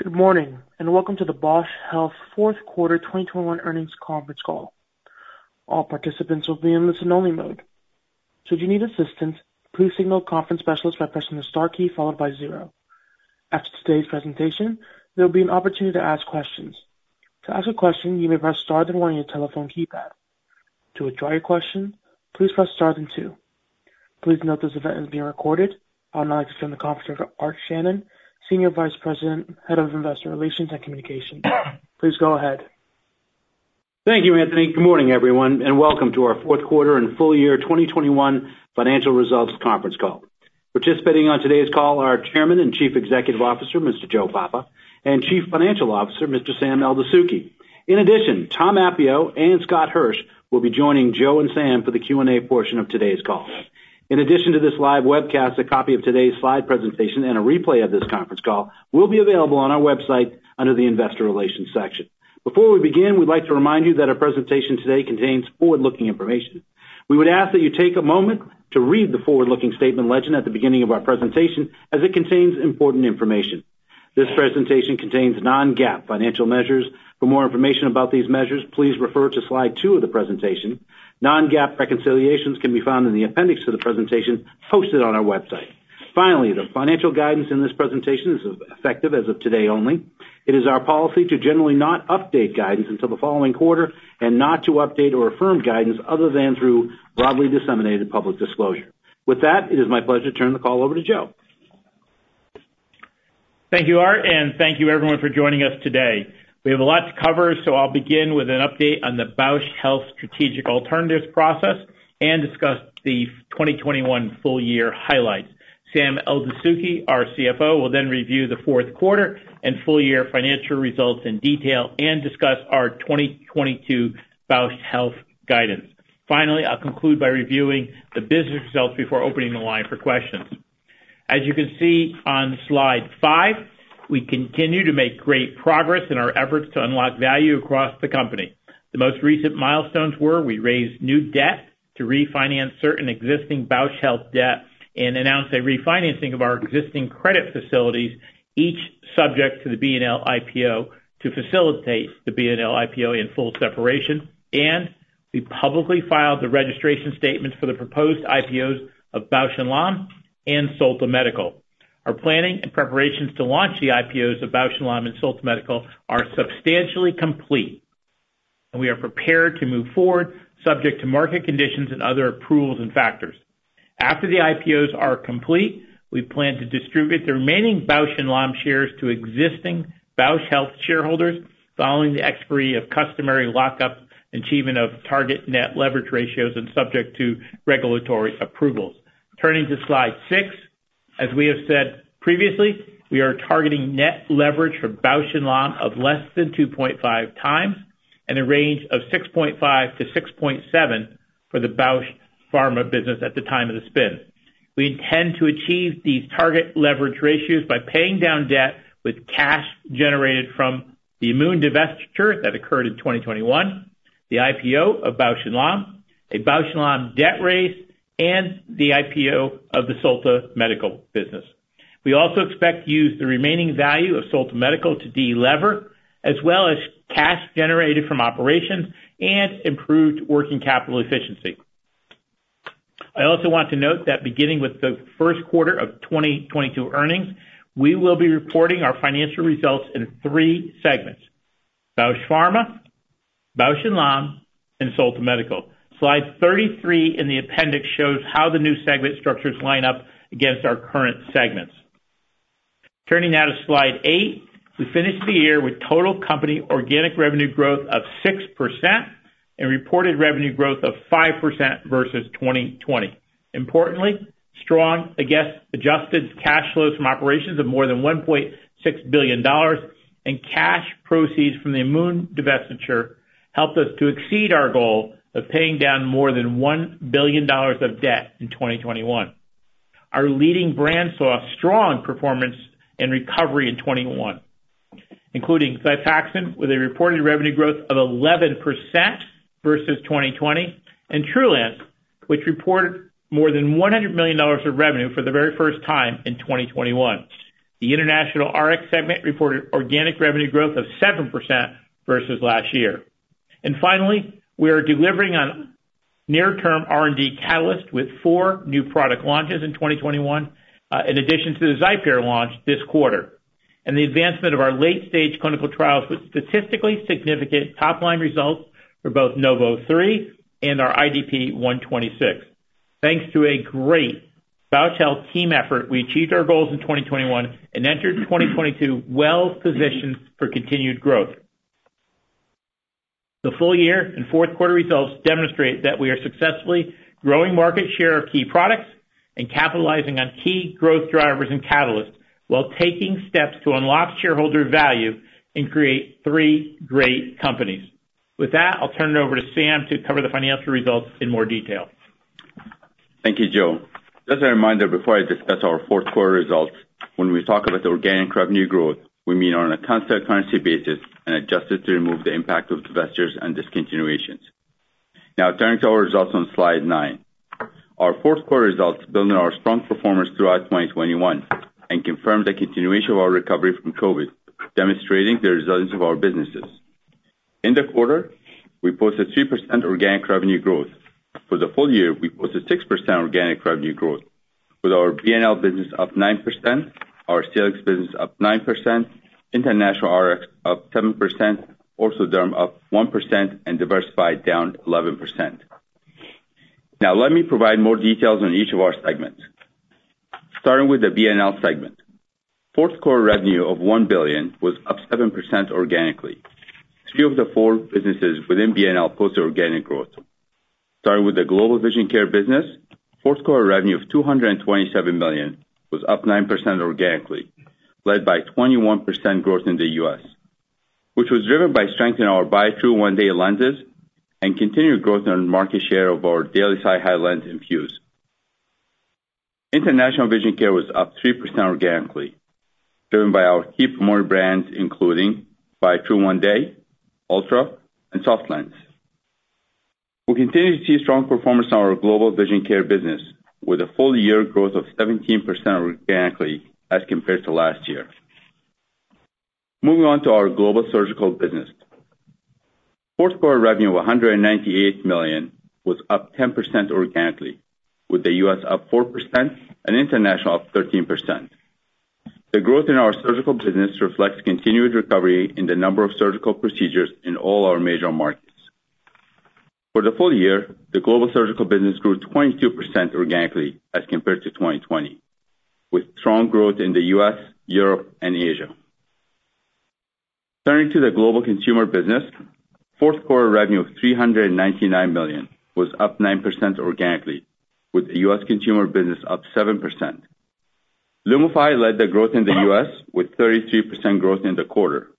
Good morning, and welcome to the Bausch Health fourth quarter 2021 earnings conference call. All participants will be in listen only mode. Should you need assistance, please signal conference specialist by pressing the star key followed by zero. After today's presentation, there'll be an opportunity to ask questions. To ask a question, you may press star then one on your telephone keypad. To withdraw your question, please press star then two. Please note this event is being recorded. I would now like to turn the conference over to Art Shannon, Senior Vice President, Head of Investor Relations and Communications. Please go ahead. Thank you, Anthony. Good morning, everyone, and welcome to our fourth quarter and full year 2021 financial results conference call. Participating on today's call are Chairman and Chief Executive Officer, Mr. Joseph Papa, and Chief Financial Officer, Mr. Sam Eldessouky. In addition, Thomas Appio and Scott Hirsch will be joining Joe and Sam for the Q&A portion of today's call. In addition to this live webcast, a copy of today's slide presentation and a replay of this conference call will be available on our website under the investor relations section. Before we begin, we'd like to remind you that our presentation today contains forward-looking information. We would ask that you take a moment to read the forward-looking statement legend at the beginning of our presentation as it contains important information. This presentation contains non-GAAP financial measures. For more information about these measures, please refer to slide two of the presentation. non-GAAP reconciliations can be found in the appendix to the presentation posted on our website. Finally, the financial guidance in this presentation is effective as of today only. It is our policy to generally not update guidance until the following quarter and not to update or affirm guidance other than through broadly disseminated public disclosure. With that, it is my pleasure to turn the call over to Joe. Thank you, Art, and thank you everyone for joining us today. We have a lot to cover, so I'll begin with an update on the Bausch Health strategic alternatives process and discuss the 2021 full year highlights. Sam Eldessouky, our CFO, will then review the fourth quarter and full year financial results in detail and discuss our 2022 Bausch Health guidance. Finally, I'll conclude by reviewing the business results before opening the line for questions. As you can see on slide five, we continue to make great progress in our efforts to unlock value across the company. The most recent milestones were we raised new debt to refinance certain existing Bausch Health debt and announced a refinancing of our existing credit facilities, each subject to the B&L IPO to facilitate the B&L IPO in full separation. We publicly filed the registration statements for the proposed IPOs of Bausch + Lomb and Solta Medical. Our planning and preparations to launch the IPOs of Bausch + Lomb and Solta Medical are substantially complete. We are prepared to move forward subject to market conditions and other approvals and factors. After the IPOs are complete, we plan to distribute the remaining Bausch + Lomb shares to existing Bausch Health shareholders following the expiry of customary lockup, achievement of target net leverage ratios, and subject to regulatory approvals. Turning to slide six, as we have said previously, we are targeting net leverage for Bausch + Lomb of less than 2.5x and a range of 6.5-6.7 for the Bausch Pharma business at the time of the spin. We intend to achieve these target leverage ratios by paying down debt with cash generated from the Amoun divestiture that occurred in 2021, the IPO of Bausch + Lomb, a Bausch + Lomb debt raise, and the IPO of the Solta Medical business. We also expect to use the remaining value of Solta Medical to de-lever, as well as cash generated from operations and improved working capital efficiency. I also want to note that beginning with the first quarter of 2022 earnings, we will be reporting our financial results in three segments, Bausch Pharma, Bausch + Lomb, and Solta Medical. Slide 33 in the appendix shows how the new segment structures line up against our current segments. Turning now to slide eight, we finished the year with total company organic revenue growth of 6% and reported revenue growth of 5% versus 2020. Importantly, strong adjusted cash flows from operations of more than $1.6 billion and cash proceeds from the Amoun divestiture helped us to exceed our goal of paying down more than $1 billion of debt in 2021. Our leading brands saw strong performance and recovery in 2021, including XIFAXAN with a reported revenue growth of 11% versus 2020, and Trulance, which reported more than $100 million of revenue for the very first time in 2021. The international Rx segment reported organic revenue growth of 7% versus last year. Finally, we are delivering on near-term R&D catalyst with four new product launches in 2021, in addition to the XIPERE launch this quarter, and the advancement of our late-stage clinical trials with statistically significant top-line results for both NOV03 and our IDP-126. Thanks to a great Bausch Health team effort, we achieved our goals in 2021 and entered 2022 well-positioned for continued growth. The full year and fourth quarter results demonstrate that we are successfully growing market share of key products and capitalizing on key growth drivers and catalysts while taking steps to unlock shareholder value and create three great companies. With that, I'll turn it over to Sam to cover the financial results in more detail. Thank you, Joe. Just a reminder before I discuss our fourth quarter results, when we talk about organic revenue growth, we mean on a constant currency basis and adjusted to remove the impact of divestitures and discontinuations. Now turning to our results on slide 9. Our fourth quarter results building on our strong performance throughout 2021 and confirmed the continuation of our recovery from COVID, demonstrating the resilience of our businesses. In the quarter, we posted 3% organic revenue growth. For the full year, we posted 6% organic revenue growth, with our B+L business up 9%, our Salix business up 9%, international Rx up 7%, Ortho Dermatologics up 1% and diversified down 11%. Now let me provide more details on each of our segments. Starting with the B+L segment. Fourth quarter revenue of $1 billion was up 7% organically. Three of the four businesses within B+L posted organic growth. Starting with the global vision care business, fourth quarter revenue of $227 million was up 9% organically, led by 21% growth in the U.S., which was driven by strength in our Biotrue ONE-DAY lenses and continued growth in market share of our daily SiHy lens INFUSE. International vision care was up 3% organically, driven by our key premium brands including Biotrue ONE-DAY, ULTRA and SofLens. We continue to see strong performance in our global vision care business with a full year growth of 17% organically as compared to last year. Moving on to our global surgical business. Fourth quarter revenue of $198 million was up 10% organically, with the U.S. up 4% and international up 13%. The growth in our surgical business reflects continued recovery in the number of surgical procedures in all our major markets. For the full year, the global surgical business grew 22% organically as compared to 2020, with strong growth in the U.S., Europe and Asia. Turning to the global consumer business. Fourth quarter revenue of $399 million was up 9% organically, with the U.S. consumer business up 7%. LUMIFY led the growth in the U.S. with 33% growth in the quarter.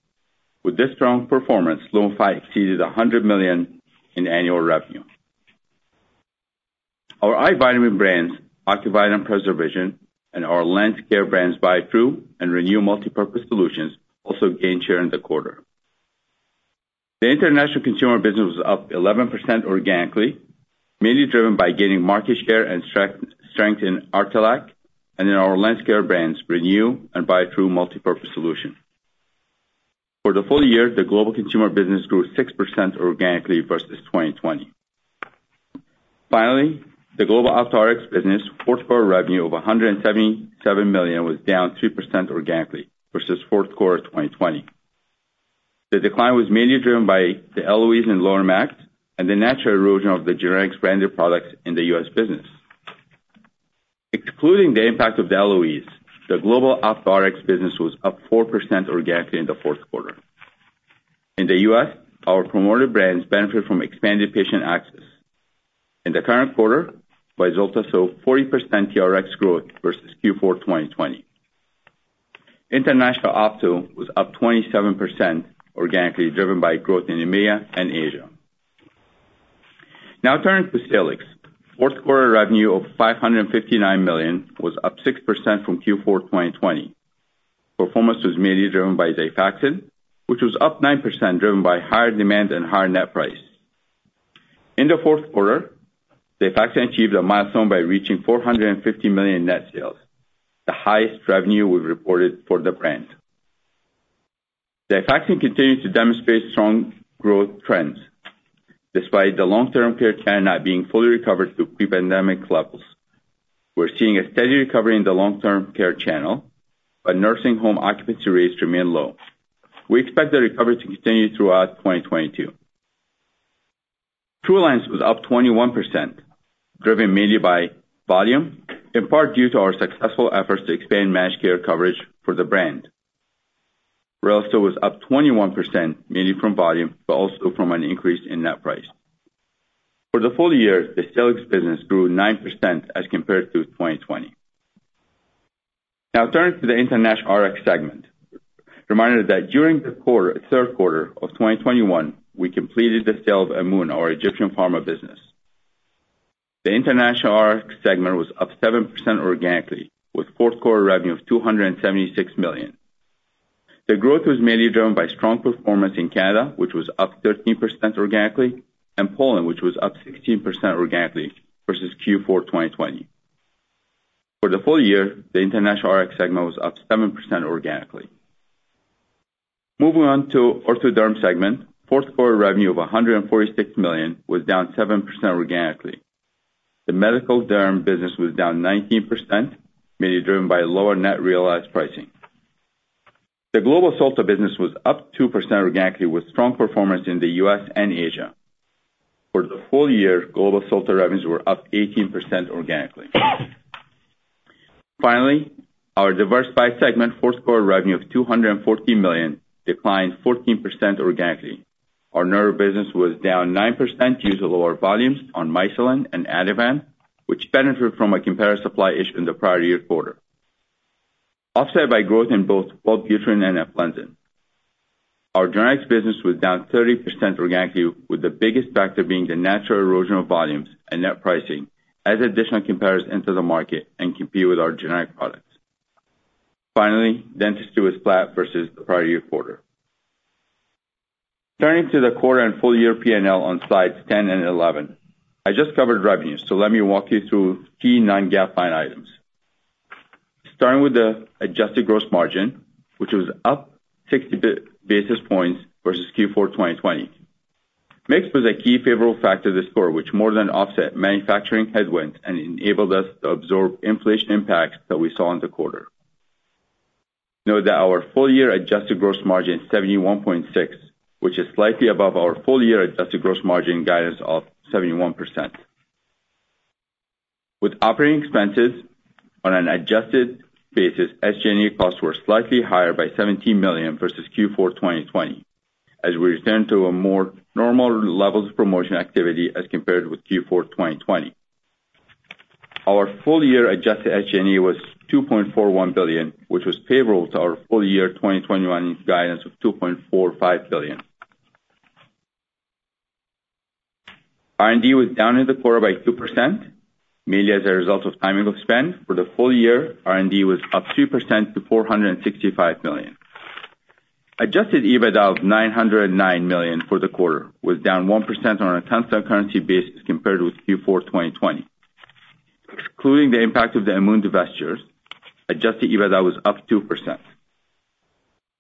With this strong performance, LUMIFY exceeded $100 million in annual revenue. Our eye vitamin brands, Ocuvite and PreserVision, and our lens care brands Biotrue and renu multi-purpose solutions also gained share in the quarter. The international consumer business was up 11% organically, mainly driven by gaining market share and strength in Artelac and in our lens care brands renu and Biotrue multi-purpose solution. For the full year, the global consumer business grew 6% organically versus 2020. Finally, the global Ophtho Rx business, fourth quarter revenue of $177 million was down 2% organically versus fourth quarter of 2020. The decline was mainly driven by the LOEs and lower max and the natural erosion of the generics branded products in the U.S. business. Excluding the impact of the LOEs, the global Ophtho Rx business was up 4% organically in the fourth quarter. In the U.S., our promoted brands benefit from expanded patient access. In the current quarter, Vyzulta saw 40% TRX growth versus Q4 2020. International Ophtho was up 27% organically, driven by growth in EMEA and Asia. Now turning to Salix. Fourth quarter revenue of $559 million was up 6% from Q4 2020. Performance was mainly driven by XIFAXAN, which was up 9%, driven by higher demand and higher net price. In the fourth quarter, XIFAXAN achieved a milestone by reaching $450 million net sales, the highest revenue we've reported for the brand. XIFAXAN continues to demonstrate strong growth trends despite the long-term care trend not being fully recovered to pre-pandemic levels. We're seeing a steady recovery in the long-term care channel, but nursing home occupancy rates remain low. We expect the recovery to continue throughout 2022. Trulance was up 21%, driven mainly by volume, in part due to our successful efforts to expand managed care coverage for the brand. Relistor was up 21%, mainly from volume, but also from an increase in net price. For the full year, the Salix business grew 9% as compared to 2020. Now turning to the international Rx segment. Reminder that during the quarter, third quarter of 2021, we completed the sale of Amoun, our Egyptian pharma business. The international Rx segment was up 7% organically, with fourth quarter revenue of $276 million. The growth was mainly driven by strong performance in Canada, which was up 13% organically, and Poland, which was up 16% organically versus Q4 2020. For the full year, the international Rx segment was up 7% organically. Moving on to Ortho Derm segment. Fourth quarter revenue of $146 million was down 7% organically. The medical derm business was down 19%, mainly driven by lower net realized pricing. The global Ulthera business was up 2% organically with strong performance in the U.S. and Asia. For the full year, global Ulthera revenues were up 18% organically. Finally, our diversified segment, fourth quarter revenue of $214 million, declined 14% organically. Our nerve business was down 9% due to lower volumes on Mysoline and Ativan, which benefit from a competitor supply issue in the prior year quarter, offset by growth in both Wellbutrin and Aplenzin. Our genetics business was down 30% organically, with the biggest factor being the natural erosion of volumes and net pricing as additional competitors enter the market and compete with our generic products. Dentistry was flat versus the prior year quarter. Turning to the quarter and full year P&L on slides 10 and 11. I just covered revenues, so let me walk you through key non-GAAP line items. Starting with the adjusted gross margin, which was up 60 basis points versus Q4 2020. Mix was a key favorable factor this quarter, which more than offset manufacturing headwinds and enabled us to absorb inflation impacts that we saw in the quarter. Note that our full year adjusted gross margin was 71.6%, which is slightly above our full year adjusted gross margin guidance of 71%. With operating expenses on an adjusted basis, SG&A costs were slightly higher by $17 million versus Q4 2020, as we return to a more normal levels of promotion activity as compared with Q4 2020. Our full year adjusted SG&A was $2.41 billion, which was favorable to our full year 2021 guidance of $2.45 billion. R&D was down in the quarter by 2%, mainly as a result of timing of spend. For the full year, R&D was up 3% to $465 million. Adjusted EBITDA of $909 million for the quarter was down 1% on a constant currency basis compared with Q4 2020. Including the impact of the Amoun divestitures, adjusted EBITDA was up 2%.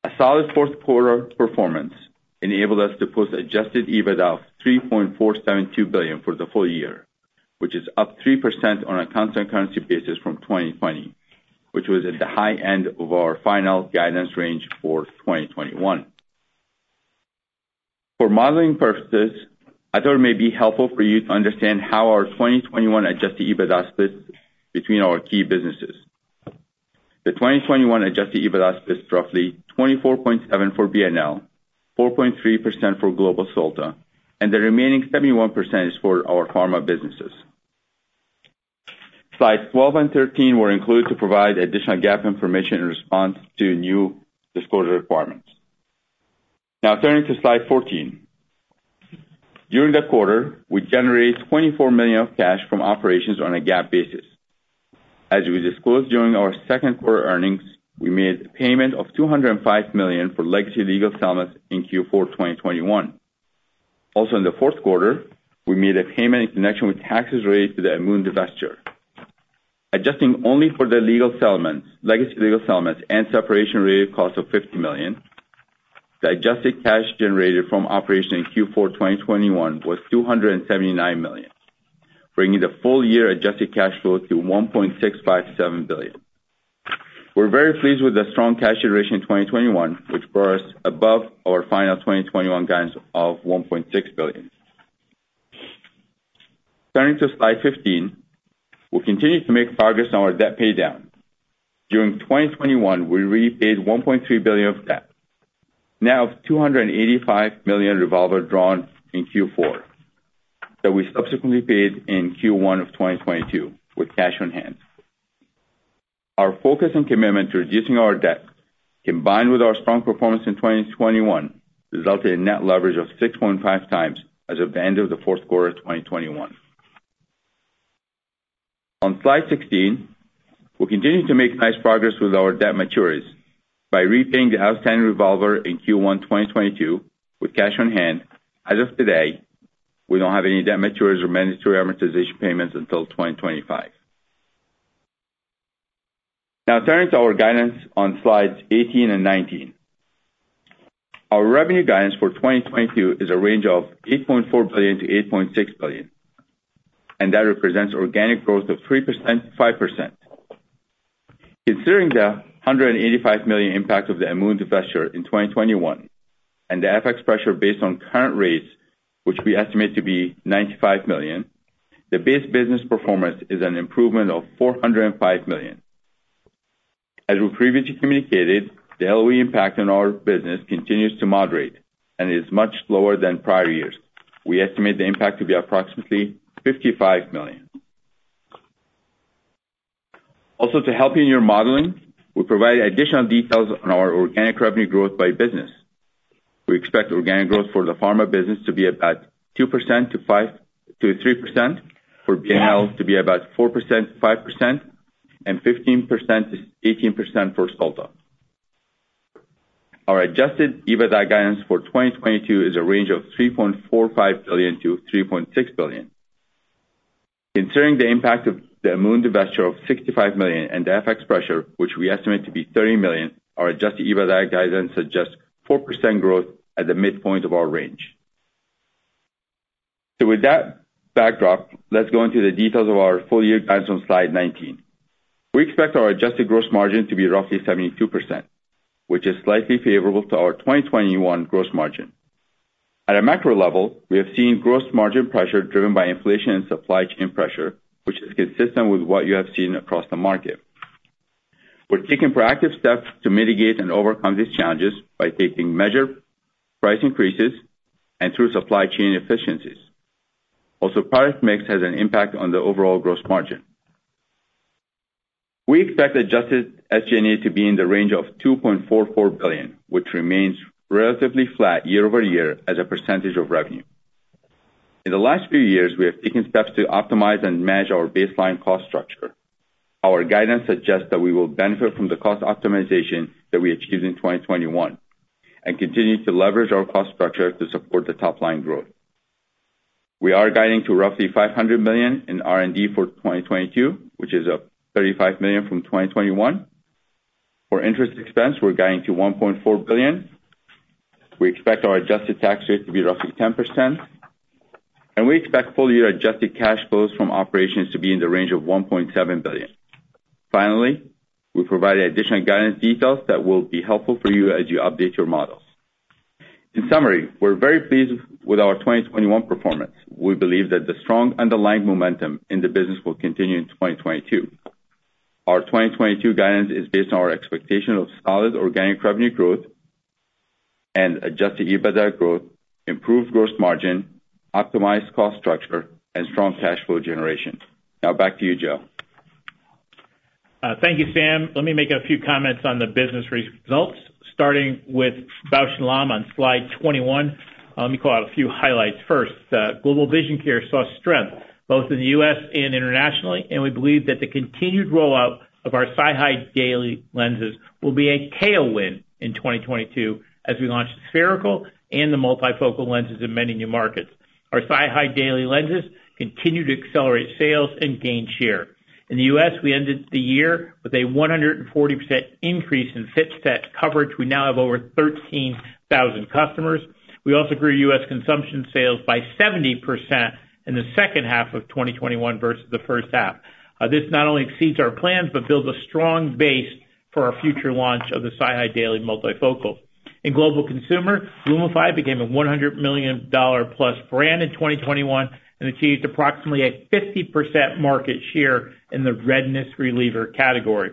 A solid fourth quarter performance enabled us to post adjusted EBITDA of $3.472 billion for the full year, which is up 3% on a constant currency basis from 2020, which was at the high end of our final guidance range for 2021. For modeling purposes, I thought it may be helpful for you to understand how our 2021 adjusted EBITDA split between our key businesses. The 2021 adjusted EBITDA is roughly 24.7% for B+L, 4.3% for Global Solta, and the remaining 71% is for our pharma businesses. Slides 12 and 13 were included to provide additional GAAP information in response to new disclosure requirements. Now turning to slide 14. During the quarter, we generated $24 million of cash from operations on a GAAP basis. As we disclosed during our second quarter earnings, we made a payment of $205 million for legacy legal settlements in Q4 2021. Also in the fourth quarter, we made a payment in connection with taxes related to the Amoun divestiture. Adjusting only for legacy legal settlements and separation-related costs of $50 million, the adjusted cash generated from operations in Q4 2021 was $279 million, bringing the full year adjusted cash flow to $1.657 billion. We're very pleased with the strong cash generation in 2021, which brought us above our final 2021 guidance of $1.6 billion. Turning to slide 15. We continue to make progress on our debt pay down. During 2021, we repaid $1.3 billion of debt. Now $285 million revolver drawn in Q4 that we subsequently paid in Q1 of 2022 with cash on hand. Our focus and commitment to reducing our debt, combined with our strong performance in 2021, resulted in net leverage of 6.5x as of the end of the fourth quarter of 2021. On slide 16, we continue to make nice progress with our debt maturities by repaying the outstanding revolver in Q1 2022 with cash on hand. As of today, we don't have any debt maturities or mandatory amortization payments until 2025. Now turning to our guidance on slides 18 and 19. Our revenue guidance for 2022 is a range of $8.4 billion-$8.6 billion, and that represents organic growth of 3%-5%. Considering the $185 million impact of the Amoun divestiture in 2021 and the FX pressure based on current rates, which we estimate to be $95 million, the base business performance is an improvement of $405 million. As we previously communicated, the LOE impact on our business continues to moderate and is much lower than prior years. We estimate the impact to be approximately $55 million. Also, to help in your modeling, we provide additional details on our organic revenue growth by business. We expect organic growth for the pharma business to be about 2%-3%, for B+L to be about 4%-5%, and 15%-18% for Solta. Our adjusted EBITDA guidance for 2022 is a range of $3.45 billion-$3.6 billion. Considering the impact of the Amoun divestiture of $65 million and the FX pressure, which we estimate to be $30 million, our adjusted EBITDA guidance suggests 4% growth at the midpoint of our range. With that backdrop, let's go into the details of our full year guidance on slide 19. We expect our adjusted gross margin to be roughly 72%, which is slightly favorable to our 2021 gross margin. At a macro level, we have seen gross margin pressure driven by inflation and supply chain pressure, which is consistent with what you have seen across the market. We're taking proactive steps to mitigate and overcome these challenges by taking measured price increases and through supply chain efficiencies. Also, product mix has an impact on the overall gross margin. We expect adjusted SG&A to be in the range of $2.44 billion, which remains relatively flat year over year as a percentage of revenue. In the last few years, we have taken steps to optimize and manage our baseline cost structure. Our guidance suggests that we will benefit from the cost optimization that we achieved in 2021, and continue to leverage our cost structure to support the top line growth. We are guiding to roughly $500 million in R&D for 2022, which is up $35 million from 2021. For interest expense, we're guiding to $1.4 billion. We expect our adjusted tax rate to be roughly 10%, and we expect full year adjusted cash flows from operations to be in the range of $1.7 billion. Finally, we provided additional guidance details that will be helpful for you as you update your models. In summary, we're very pleased with our 2021 performance. We believe that the strong underlying momentum in the business will continue in 2022. Our 2022 guidance is based on our expectation of solid organic revenue growth and adjusted EBITDA growth, improved gross margin, optimized cost structure, and strong cash flow generation. Now back to you, Joe. Thank you, Sam. Let me make a few comments on the business results, starting with Bausch + Lomb on slide 21. Let me call out a few highlights first. Global vision care saw strength both in the U.S. and internationally, and we believe that the continued rollout of our SiHy daily lenses will be a tailwind in 2022 as we launch the spherical and the multifocal lenses in many new markets. Our SiHy daily lenses continue to accelerate sales and gain share. In the U.S., we ended the year with a 140% increase in fixed debt coverage. We now have over 13,000 customers. We also grew U.S. consumption sales by 70% in the second half of 2021 versus the first half. This not only exceeds our plans, but builds a strong base for our future launch of the INFUSE daily multifocal. In global consumer, LUMIFY became a $100 million+ brand in 2021 and achieved approximately a 50% market share in the redness reliever category.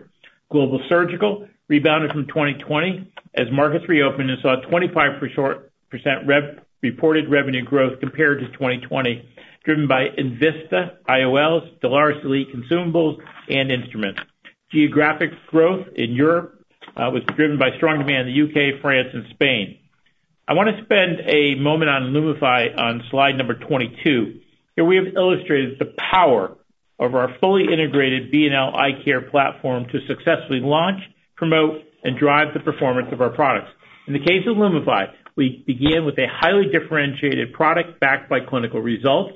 Global surgical rebounded from 2020 as markets reopened and saw a 25% reported revenue growth compared to 2020, driven by enVista, IOL, Stellaris consumables and instruments. Geographic growth in Europe was driven by strong demand in the U.K., France and Spain. I wanna spend a moment on LUMIFY on slide 22. Here we have illustrated the power of our fully integrated B&L Eye Care platform to successfully launch, promote and drive the performance of our products. In the case of LUMIFY, we began with a highly differentiated product backed by clinical results.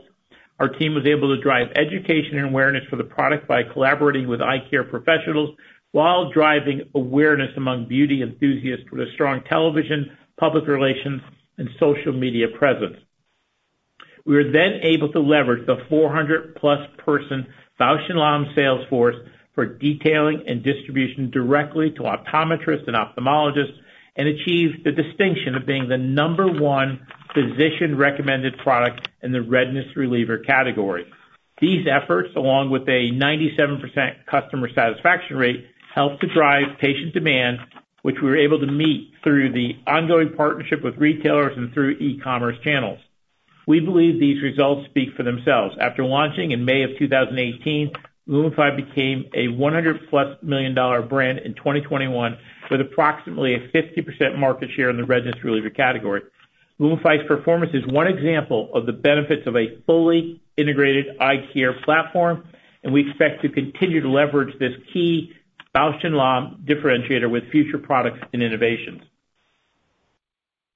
Our team was able to drive education and awareness for the product by collaborating with eye care professionals while driving awareness among beauty enthusiasts with a strong television, public relations and social media presence. We were then able to leverage the 400+ person Bausch + Lomb sales force for detailing and distribution directly to optometrists and ophthalmologists, and achieve the distinction of being the number one physician-recommended product in the redness reliever category. These efforts, along with a 97% customer satisfaction rate, helped to drive patient demand, which we were able to meet through the ongoing partnership with retailers and through e-commerce channels. We believe these results speak for themselves. After launching in May of 2018, LUMIFY became a $100+ million brand in 2021, with approximately a 50% market share in the redness reliever category. LUMIFY's performance is one example of the benefits of a fully integrated eye care platform, and we expect to continue to leverage this key Bausch + Lomb differentiator with future products and innovations.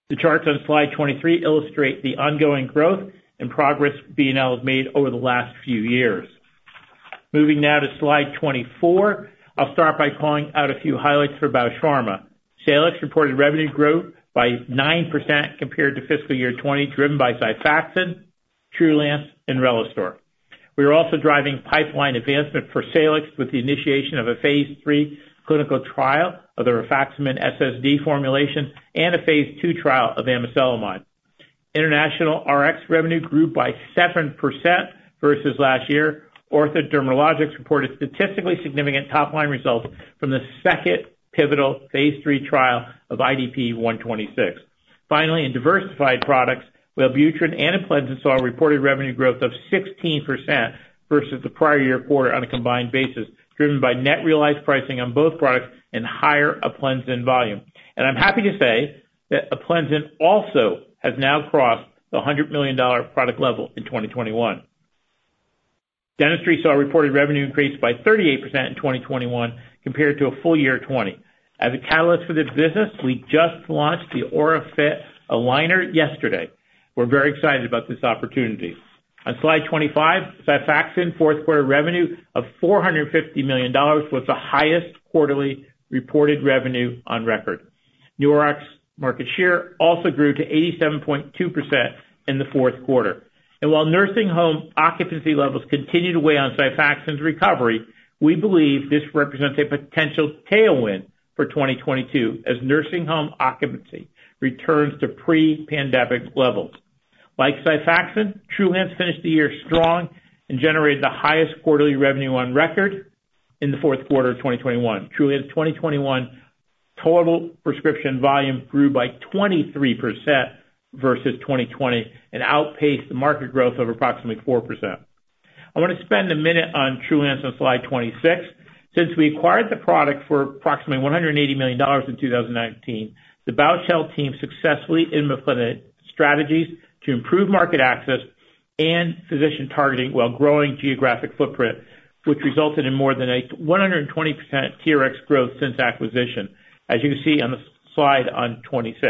The charts on slide 23 illustrate the ongoing growth and progress B&L has made over the last few years. Moving now to slide 24, I'll start by calling out a few highlights for Bausch Pharma. Salix reported revenue growth by 9% compared to fiscal year 2020, driven by XIFAXAN, Trulance and Relistor. We are also driving pipeline advancement for Salix with the initiation of a phase III clinical trial of the rifaximin SSD formulation and a phase II trial of amiselimod. International RX revenue grew by 7% versus last year. Ortho Dermatologics reported statistically significant top line results from the second pivotal phase III trial of IDP-126. Finally, in diversified products, Wellbutrin and Aplenzin saw a reported revenue growth of 16% versus the prior year quarter on a combined basis, driven by net realized pricing on both products and higher Aplenzin volume. I'm happy to say that Aplenzin also has now crossed the $100 million product level in 2021. Dentistry saw a reported revenue increase by 38% in 2021 compared to a full year 2020. As a catalyst for this business, we just launched the AuraFit aligner yesterday. We're very excited about this opportunity. On slide 25, XIFAXAN fourth-quarter revenue of $450 million was the highest quarterly reported revenue on record. NRx market share also grew to 87.2% in the fourth quarter. While nursing home occupancy levels continue to weigh on XIFAXAN's recovery, we believe this represents a potential tailwind for 2022 as nursing home occupancy returns to pre-pandemic levels. Like XIFAXAN, Trulance finished the year strong and generated the highest quarterly revenue on record in the fourth quarter of 2021. Trulance 2021 total prescription volume grew by 23% versus 2020 and outpaced the market growth of approximately 4%. I want to spend a minute on Trulance on slide 26. Since we acquired the product for approximately $180 million in 2019, the Bausch Health team successfully implemented strategies to improve market access and physician targeting while growing geographic footprint, which resulted in more than a 120% TRX growth since acquisition, as you can see on the slide on 26.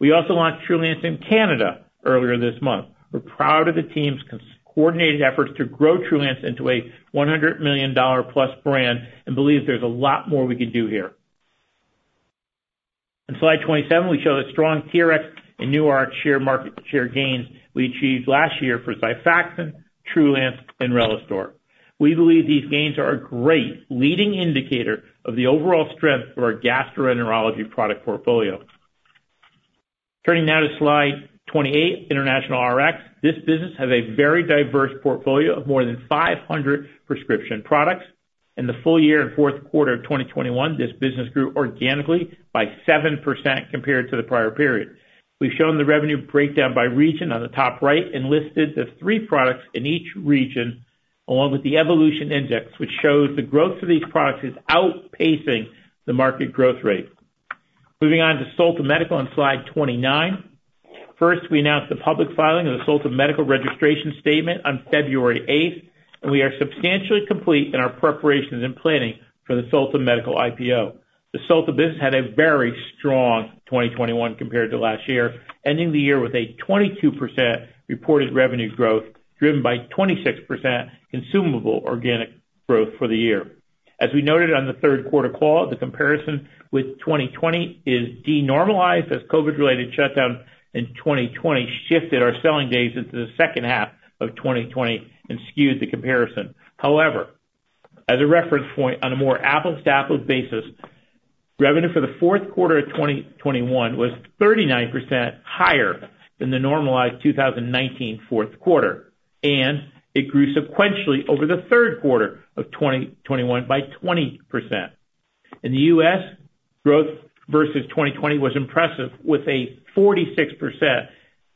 We also launched Trulance in Canada earlier this month. We're proud of the team's coordinated efforts to grow Trulance into a $100 million+ brand and believe there's a lot more we can do here. On slide 27, we show the strong TRX and new RX year market share gains we achieved last year for XIFAXAN, Trulance and Relistor. We believe these gains are a great leading indicator of the overall strength of our gastroenterology product portfolio. Turning now to slide 28, International RX. This business has a very diverse portfolio of more than 500 prescription products. In the full year and fourth quarter of 2021, this business grew organically by 7% compared to the prior period. We've shown the revenue breakdown by region on the top right and listed the three products in each region, along with the Evolution Index, which shows the growth of these products is outpacing the market growth rate. Moving on to Solta Medical on slide 29. First, we announced the public filing of the Solta Medical registration statement on February eighth, and we are substantially complete in our preparations and planning for the Solta Medical IPO. The Solta business had a very strong 2021 compared to last year, ending the year with a 22% reported revenue growth, driven by 26% consumable organic growth for the year. As we noted on the third quarter call, the comparison with 2020 is denormalized as COVID-related shutdown in 2020 shifted our selling days into the second half of 2020 and skewed the comparison. However, as a reference point, on a more apples to apples basis, revenue for the fourth quarter of 2021 was 39% higher than the normalized 2019 fourth quarter, and it grew sequentially over the third quarter of 2021 by 20%. In the U.S., growth versus 2020 was impressive with a 46%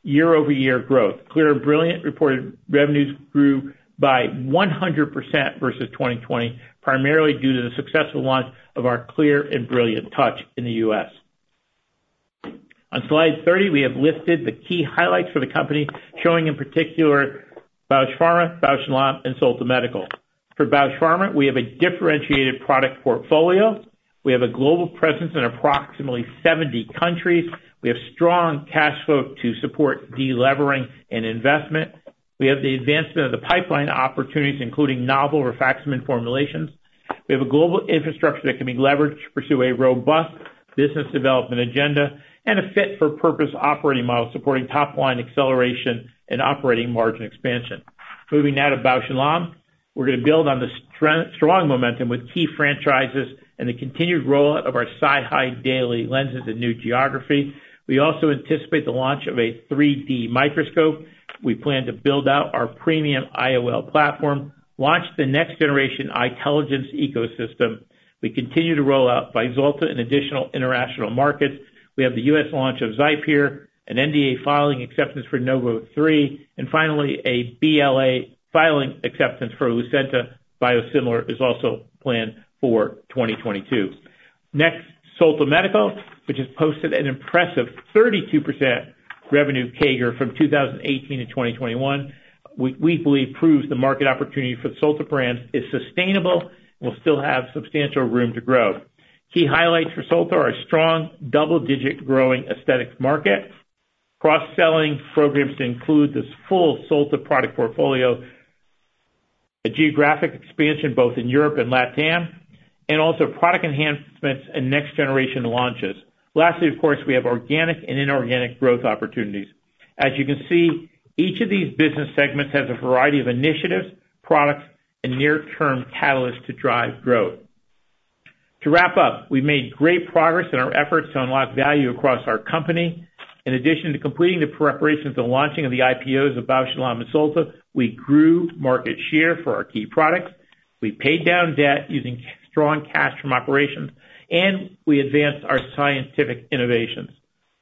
year-over-year growth. Clear + Brilliant reported revenues grew by 100% versus 2020, primarily due to the successful launch of our Clear + Brilliant Touch in the U.S. On slide 30, we have listed the key highlights for the company, showing in particular Bausch Pharma, Bausch + Lomb, and Solta Medical. For Bausch Pharma, we have a differentiated product portfolio. We have a global presence in approximately 70 countries. We have strong cash flow to support delevering and investment. We have the advancement of the pipeline opportunities, including novel rifaximin formulations. We have a global infrastructure that can be leveraged to pursue a robust business development agenda and a fit-for-purpose operating model supporting top line acceleration and operating margin expansion. Moving now to Bausch + Lomb. We're going to build on the strong momentum with key franchises and the continued rollout of our SofLens daily lenses in new geography. We also anticipate the launch of a 3-D microscope. We plan to build out our premium IOL platform, launch the next generation eyeTELLIGENCE ecosystem. We continue to roll out Vyzulta in additional international markets. We have the U.S. launch of XIPERE, an NDA filing acceptance for NOV03, and finally a BLA filing acceptance for Lucentis biosimilar is also planned for 2022. Next, Solta Medical, which has posted an impressive 32% revenue CAGR from 2018 to 2021. We believe this proves the market opportunity for the Solta brand is sustainable and will still have substantial room to grow. Key highlights for Solta are a strong double-digit growing aesthetics market, cross-selling programs to include this full Solta product portfolio, a geographic expansion both in Europe and LatAm, and also product enhancements and next generation launches. Lastly, we have organic and inorganic growth opportunities. As you can see, each of these business segments has a variety of initiatives, products, and near-term catalysts to drive growth. To wrap up, we've made great progress in our efforts to unlock value across our company. In addition to completing the preparations and launching of the IPOs of Bausch + Lomb and Solta, we grew market share for our key products. We paid down debt using strong cash from operations, and we advanced our scientific innovations.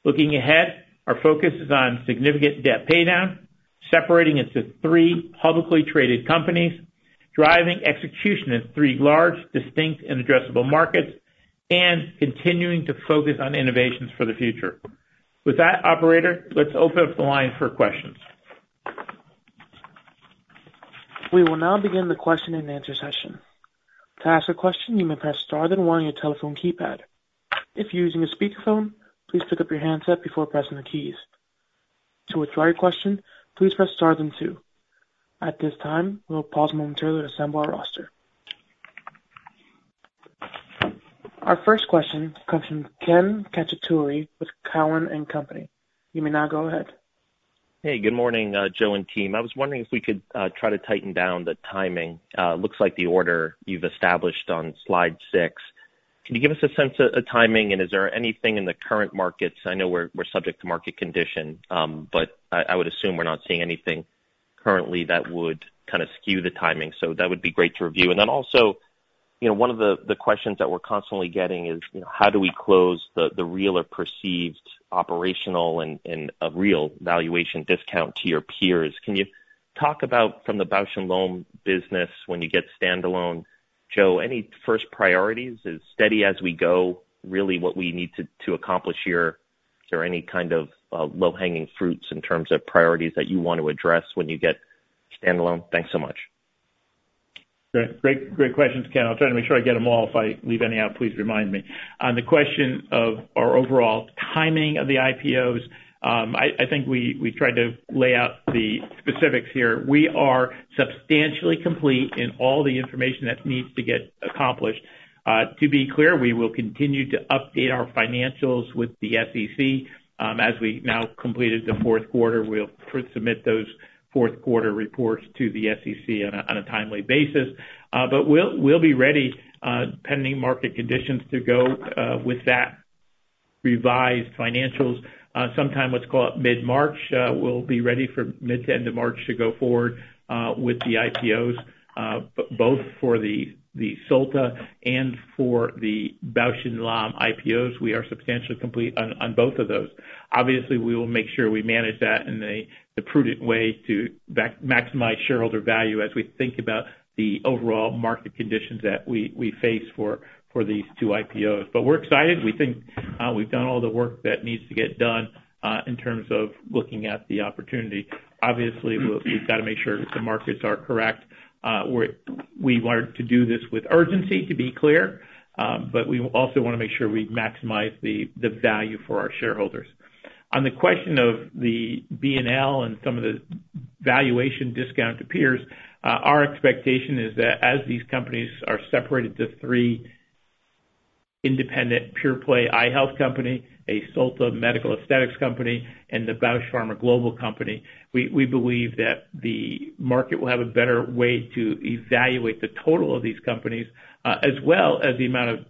Looking ahead, our focus is on significant debt paydown, separating into three publicly traded companies, driving execution in three large, distinct and addressable markets, and continuing to focus on innovations for the future. With that, operator, let's open up the line for questions. We will now begin the question and answer session. To ask a question, you may press star then one on your telephone keypad. If you're using a speakerphone, please pick up your handset before pressing the keys. To withdraw your question, please press star then two. At this time, we'll pause momentarily to assemble our roster. Our first question comes from Ken Cacciatore with Cowen and Company. You may now go ahead. Hey, good morning, Joe and team. I was wondering if we could try to tighten down the timing. It looks like the order you've established on slide six. Can you give us a sense of timing, and is there anything in the current markets? I know we're subject to market condition, but I would assume we're not seeing anything currently that would kind of skew the timing. So that would be great to review. Then also You know, one of the questions that we're constantly getting is, you know, how do we close the real or perceived operational and a real valuation discount to your peers? Can you talk about from the Bausch + Lomb business when you get stand-alone, Joe, any first priorities? Is steady as we go really what we need to accomplish here? Is there any kind of low-hanging fruits in terms of priorities that you want to address when you get stand-alone? Thanks so much. Great questions, Ken. I'll try to make sure I get them all. If I leave any out, please remind me. On the question of our overall timing of the IPOs, I think we tried to lay out the specifics here. We are substantially complete in all the information that needs to get accomplished. To be clear, we will continue to update our financials with the SEC as we now completed the fourth quarter. We'll submit those fourth quarter reports to the SEC on a timely basis. We'll be ready pending market conditions to go with that revised financials. Sometime, let's call it mid-March, we'll be ready for mid to end of March to go forward with the IPOs, both for the Solta and for the Bausch + Lomb IPOs. We are substantially complete on both of those. Obviously, we will make sure we manage that in the prudent way to maximize shareholder value as we think about the overall market conditions that we face for these two IPOs. We're excited. We think we've done all the work that needs to get done in terms of looking at the opportunity. Obviously, we've got to make sure the markets are correct. We learned to do this with urgency, to be clear, but we also wanna make sure we maximize the value for our shareholders. On the question of the B&L and some of the valuation discount to peers, our expectation is that as these companies are separated into three independent pure play eye health company, a Solta Medical aesthetics company, and the Bausch Pharma Global company, we believe that the market will have a better way to evaluate the total of these companies, as well as the amount of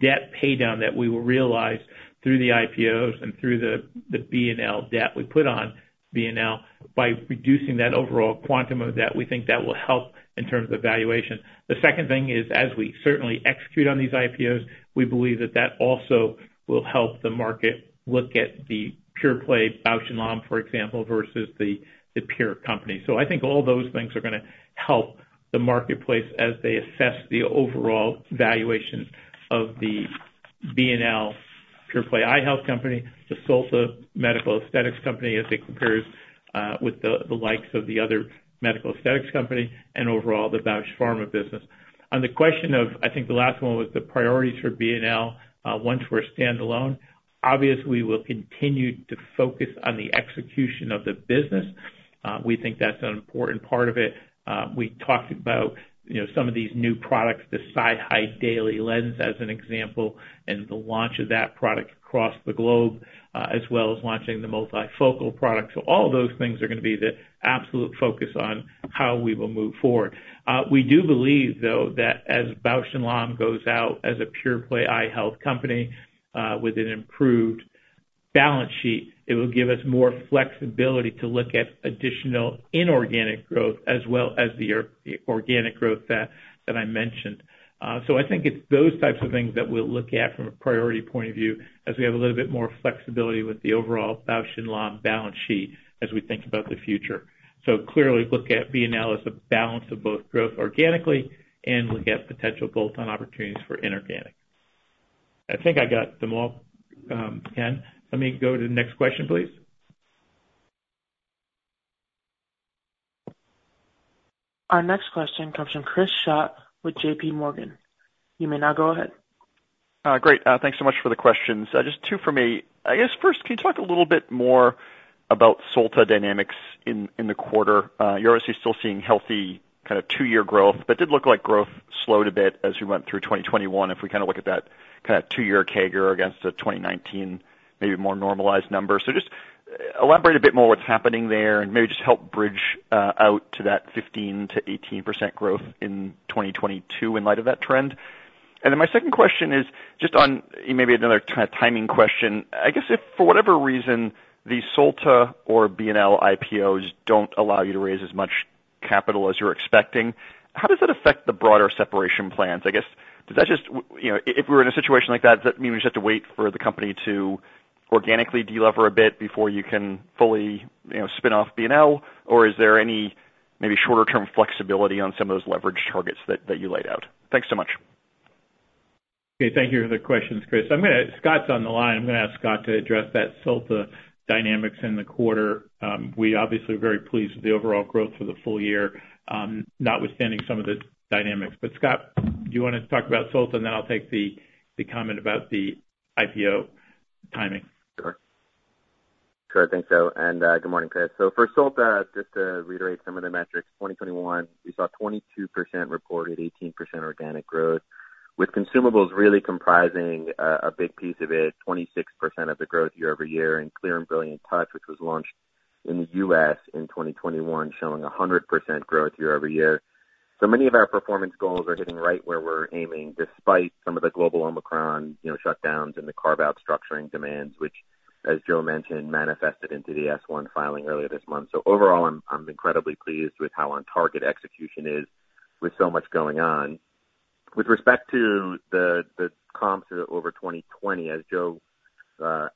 debt pay down that we will realize through the IPOs and through the B&L debt we put on B&L. By reducing that overall quantum of debt, we think that will help in terms of valuation. The second thing is, as we certainly execute on these IPOs, we believe that also will help the market look at the pure play Bausch + Lomb, for example, versus the peer company. I think all those things are gonna help the marketplace as they assess the overall valuation of the B+L pure play eye health company, the Solta Medical aesthetics company as it compares with the likes of the other medical aesthetics company and overall the Bausch Pharma business. On the question of, I think the last one was the priorities for B+L once we're standalone. Obviously, we will continue to focus on the execution of the business. We think that's an important part of it. We talked about, you know, some of these new products, the SiHy Daily Lens as an example, and the launch of that product across the globe, as well as launching the multifocal product. All those things are gonna be the absolute focus on how we will move forward. We do believe, though, that as Bausch + Lomb goes out as a pure play eye health company, with an improved balance sheet, it will give us more flexibility to look at additional inorganic growth as well as the organic growth that I mentioned. I think it's those types of things that we'll look at from a priority point of view as we have a little bit more flexibility with the overall Bausch + Lomb balance sheet as we think about the future. Clearly look at B&L as a balance of both growth organically and look at potential bolt-on opportunities for inorganic. I think I got them all, Ken. Let me go to the next question, please. Our next question comes from Chris Schott with JPMorgan. You may now go ahead. Great. Thanks so much for the questions. Just two for me. I guess first, can you talk a little bit more about Solta dynamics in the quarter? You're obviously still seeing healthy kinda two-year growth, but did look like growth slowed a bit as we went through 2021 if we kinda look at that kinda two-year CAGR against the 2019, maybe more normalized number. Just elaborate a bit more what's happening there and maybe just help bridge out to that 15%-18% growth in 2022 in light of that trend. Then my second question is just on maybe another timing question. I guess if for whatever reason, the Solta or B&L IPOs don't allow you to raise as much capital as you're expecting, how does that affect the broader separation plans? I guess, does that just... You know, if we're in a situation like that, does that mean we just have to wait for the company to organically de-lever a bit before you can fully, you know, spin off B+L? Or is there any maybe shorter term flexibility on some of those leverage targets that you laid out? Thanks so much. Okay. Thank you for the questions, Chris. Scott's on the line. I'm gonna ask Scott to address that Solta dynamics in the quarter. We obviously are very pleased with the overall growth for the full year, notwithstanding some of the dynamics. Scott, do you wanna talk about Solta, and then I'll take the comment about the IPO timing? Sure. Sure, I think so. Good morning, Chris. For Solta, just to reiterate some of the metrics, 2021, we saw 22% reported, 18% organic growth, with consumables really comprising a big piece of it, 26% of the growth year over year, and Clear + Brilliant Touch, which was launched in the U.S. in 2021, showing 100% growth year over year. Many of our performance goals are hitting right where we're aiming, despite some of the global Omicron, you know, shutdowns and the carve-out structuring demands, which, as Joe mentioned, manifested into the S-1 filing earlier this month. Overall, I'm incredibly pleased with how on target execution is with so much going on. With respect to the comps over 2020, as Joe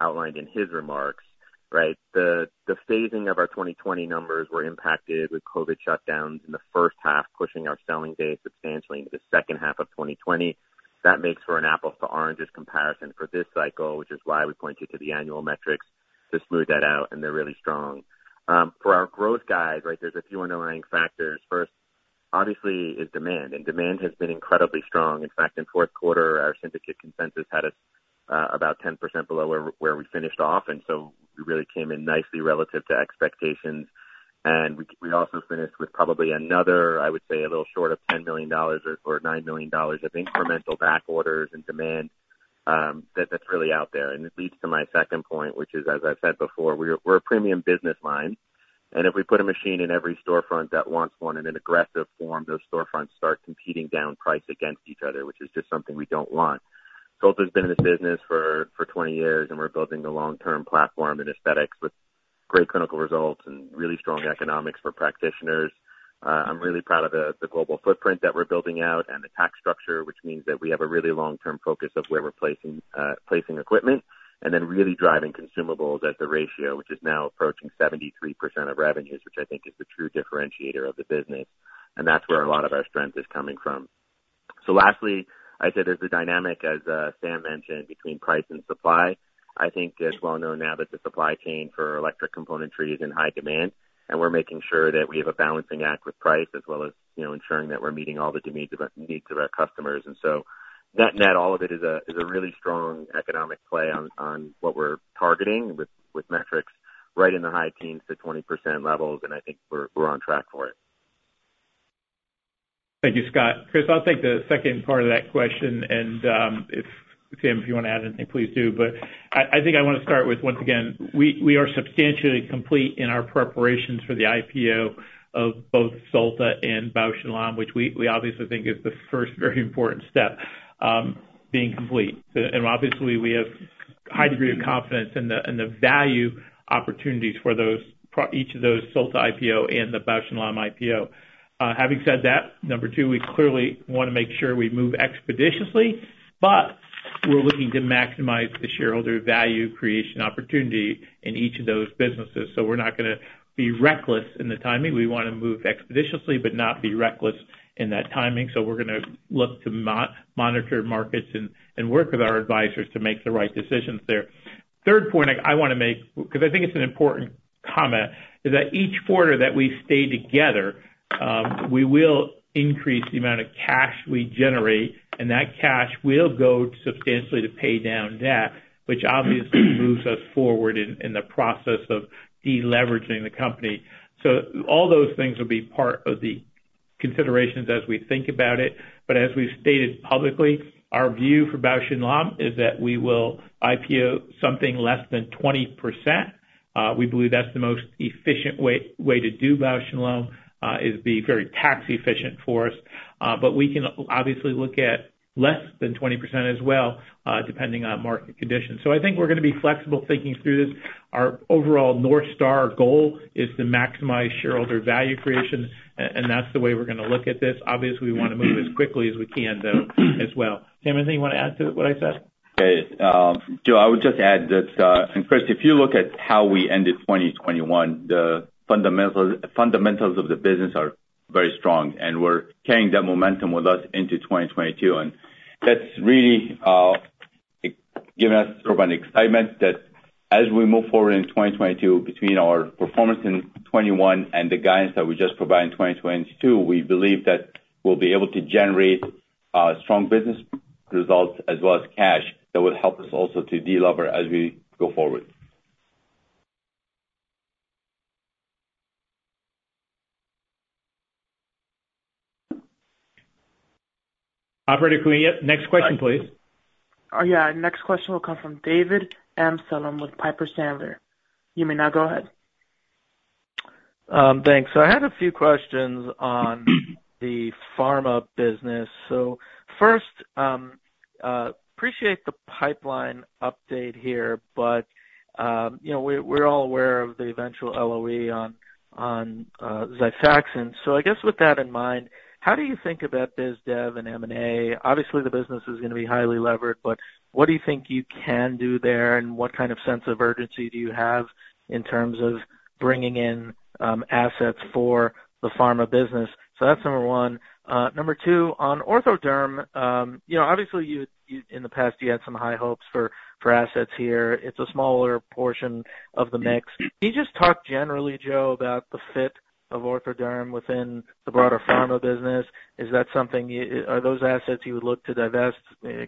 outlined in his remarks, right? The phasing of our 2020 numbers were impacted with COVID shutdowns in the first half, pushing our selling day substantially into the second half of 2020. That makes for an apples to oranges comparison for this cycle, which is why we pointed to the annual metrics to smooth that out, and they're really strong. For our growth guide, right, there's a few underlying factors. First, obviously, is demand, and demand has been incredibly strong. In fact, in fourth quarter, our syndicate consensus had us about 10% below where we finished off, and so we really came in nicely relative to expectations. We also finished with probably another, I would say, a little short of $10 million or $9 million of incremental back orders and demand, that's really out there. It leads to my second point, which is, as I said before, we're a premium business line, and if we put a machine in every storefront that wants one in an aggressive form, those storefronts start competing down price against each other, which is just something we don't want. Solta's been in this business for 20 years, and we're building a long-term platform in aesthetics with great clinical results and really strong economics for practitioners. I'm really proud of the global footprint that we're building out and the tax structure, which means that we have a really long-term focus of where we're placing equipment and then really driving consumables at the ratio, which is now approaching 73% of revenues, which I think is the true differentiator of the business. That's where a lot of our strength is coming from. Lastly, I said there's a dynamic, as Sam mentioned, between price and supply. I think it's well known now that the supply chain for electric componentry is in high demand, and we're making sure that we have a balancing act with price as well as, you know, ensuring that we're meeting all the needs of our customers. That net, all of it is a really strong economic play on what we're targeting with metrics right in the high teens to 20% levels, and I think we're on track for it. Thank you, Scott. Chris, I'll take the second part of that question and, if Sam, you wanna add anything, please do. I think I wanna start with once again, we are substantially complete in our preparations for the IPO of both Solta and Bausch + Lomb, which we obviously think is the first very important step, being complete. Obviously, we have high degree of confidence in the value opportunities for each of those Solta IPO and the Bausch + Lomb IPO. Having said that, number two, we clearly wanna make sure we move expeditiously, but we're looking to maximize the shareholder value creation opportunity in each of those businesses. We're not gonna be reckless in the timing. We wanna move expeditiously but not be reckless in that timing. We're gonna look to monitor markets and work with our advisors to make the right decisions there. Third point I wanna make, because I think it's an important comment, is that each quarter that we stay together, we will increase the amount of cash we generate, and that cash will go substantially to pay down debt, which obviously moves us forward in the process of deleveraging the company. All those things will be part of the considerations as we think about it. As we've stated publicly, our view for Bausch + Lomb is that we will IPO something less than 20%. We believe that's the most efficient way to do Bausch + Lomb is be very tax efficient for us. We can obviously look at less than 20% as well, depending on market conditions. I think we're gonna be flexible thinking through this. Our overall North Star goal is to maximize shareholder value creation, and that's the way we're gonna look at this. Obviously, we wanna move as quickly as we can, though, as well. Sam, anything you wanna add to what I said? Hey, Joe, I would just add that, and Chris, if you look at how we ended 2021, the fundamentals of the business are very strong, and we're carrying that momentum with us into 2022. That's really given us sort of an excitement that as we move forward in 2022 between our performance in 2021 and the guidance that we just provided in 2022, we believe that we'll be able to generate strong business results as well as cash that will help us also to de-lever as we go forward. Operator, can we get next question, please? Next question will come from David Amsellem with Piper Sandler. You may now go ahead. Thanks. I had a few questions on the pharma business. First, I appreciate the pipeline update here, but you know, we're all aware of the eventual LOE on XIFAXAN. I guess with that in mind, how do you think about biz dev and M&A? Obviously, the business is gonna be highly levered, but what do you think you can do there, and what kind of sense of urgency do you have in terms of bringing in assets for the pharma business? That's number one. Number two, on Ortho Dermatologics, you know, obviously, you in the past had some high hopes for assets here. It's a smaller portion of the mix. Can you just talk generally, Joe, about the fit of Ortho Dermatologics within the broader pharma business? Are those assets you would look to divest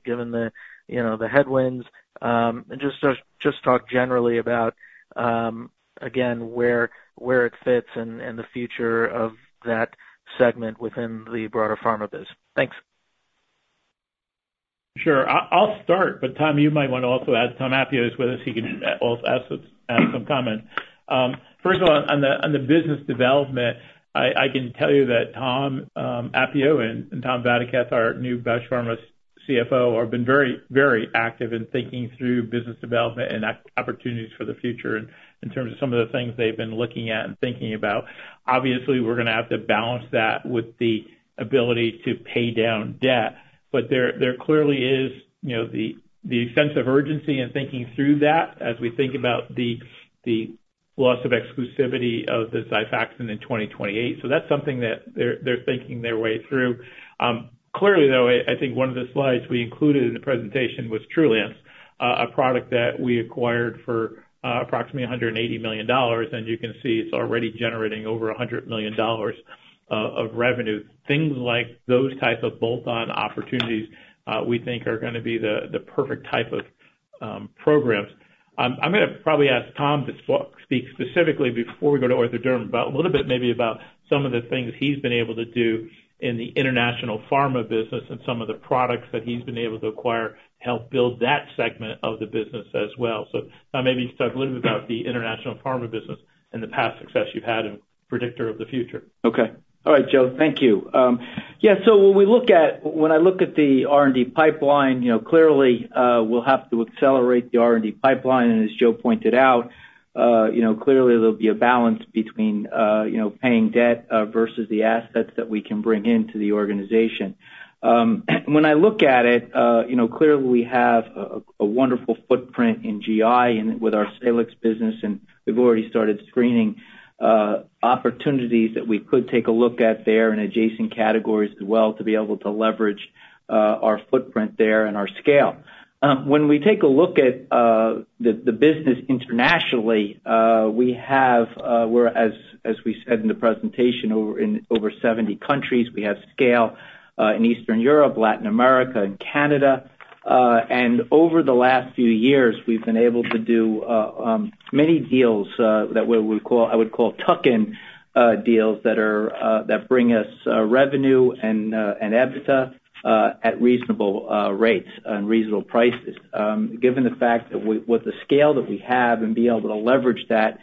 given the, you know, the headwinds? Just talk generally about, again, where it fits and the future of that segment within the broader pharma biz. Thanks. Sure. I'll start, but Tom, you might wanna also add. Thomas Appio is with us. He can also add some comment. First of all, on the business development, I can tell you that Tom Appio and Tom Vadaketh, our new Bausch Pharma's CFO, have been very active in thinking through business development and opportunities for the future in terms of some of the things they've been looking at and thinking about. Obviously, we're gonna have to balance that with the ability to pay down debt. There clearly is, you know, the sense of urgency in thinking through that as we think about the loss of exclusivity of the XIFAXAN in 2028. That's something that they're thinking their way through. Clearly, though, I think one of the slides we included in the presentation was Trulance, a product that we acquired for approximately $180 million, and you can see it's already generating over $100 million of revenue. Things like those type of bolt-on opportunities, we think are gonna be the perfect type of programs. I'm gonna probably ask Tom to speak specifically before we go to Ortho Dermatologics, about a little bit maybe about some of the things he's been able to do in the international pharma business and some of the products that he's been able to acquire to help build that segment of the business as well. Tom, maybe you can talk a little bit about the international pharma business and the past success you've had and predictor of the future. Okay. All right, Joe. Thank you. Yeah, when I look at the R&D pipeline, you know, clearly, we'll have to accelerate the R&D pipeline. As Joe pointed out, you know, clearly there'll be a balance between, you know, paying debt, versus the assets that we can bring into the organization. When I look at it, you know, clearly we have a wonderful footprint in GI and with our Salix business, and we've already started screening opportunities that we could take a look at there in adjacent categories as well to be able to leverage our footprint there and our scale. When we take a look at the business internationally, we have, we're as we said in the presentation, in over 70 countries. We have scale in Eastern Europe, Latin America, and Canada. Over the last few years, we've been able to do many deals that I would call tuck-in deals that bring us revenue and EBITDA at reasonable rates and reasonable prices. Given the fact that with the scale that we have and be able to leverage that,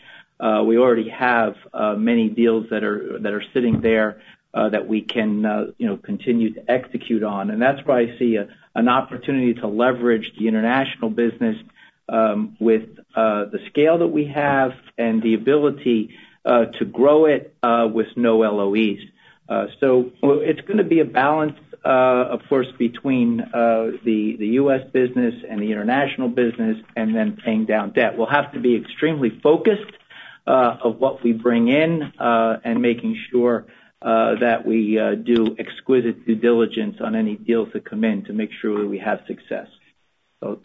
we already have many deals that are sitting there that we can you know continue to execute on. That's why I see an opportunity to leverage the international business with the scale that we have and the ability to grow it with no LOEs. It's gonna be a balance, of course, between the U.S. business and the international business, and then paying down debt. We'll have to be extremely focused on what we bring in and making sure that we do exquisite due diligence on any deals that come in to make sure we have success. Tom,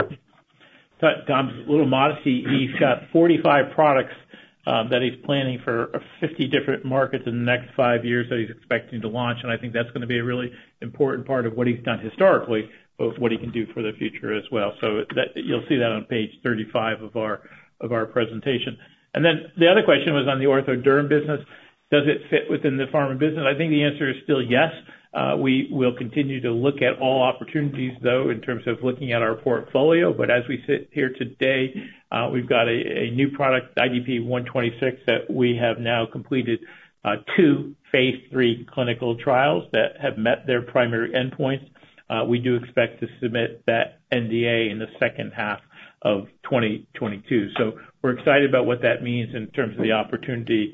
a little modesty. He's got 45 products that he's planning for 50 different markets in the next 5 years that he's expecting to launch, and I think that's gonna be a really important part of what he's done historically, but what he can do for the future as well. You'll see that on page 35 of our presentation. The other question was on the Ortho Dermatologics business. Does it fit within the pharma business? I think the answer is still yes. We will continue to look at all opportunities, though, in terms of looking at our portfolio. As we sit here today, we've got a new product, IDP-126, that we have now completed two phase III clinical trials that have met their primary endpoints. We do expect to submit that NDA in the second half of 2022. We're excited about what that means in terms of the opportunity,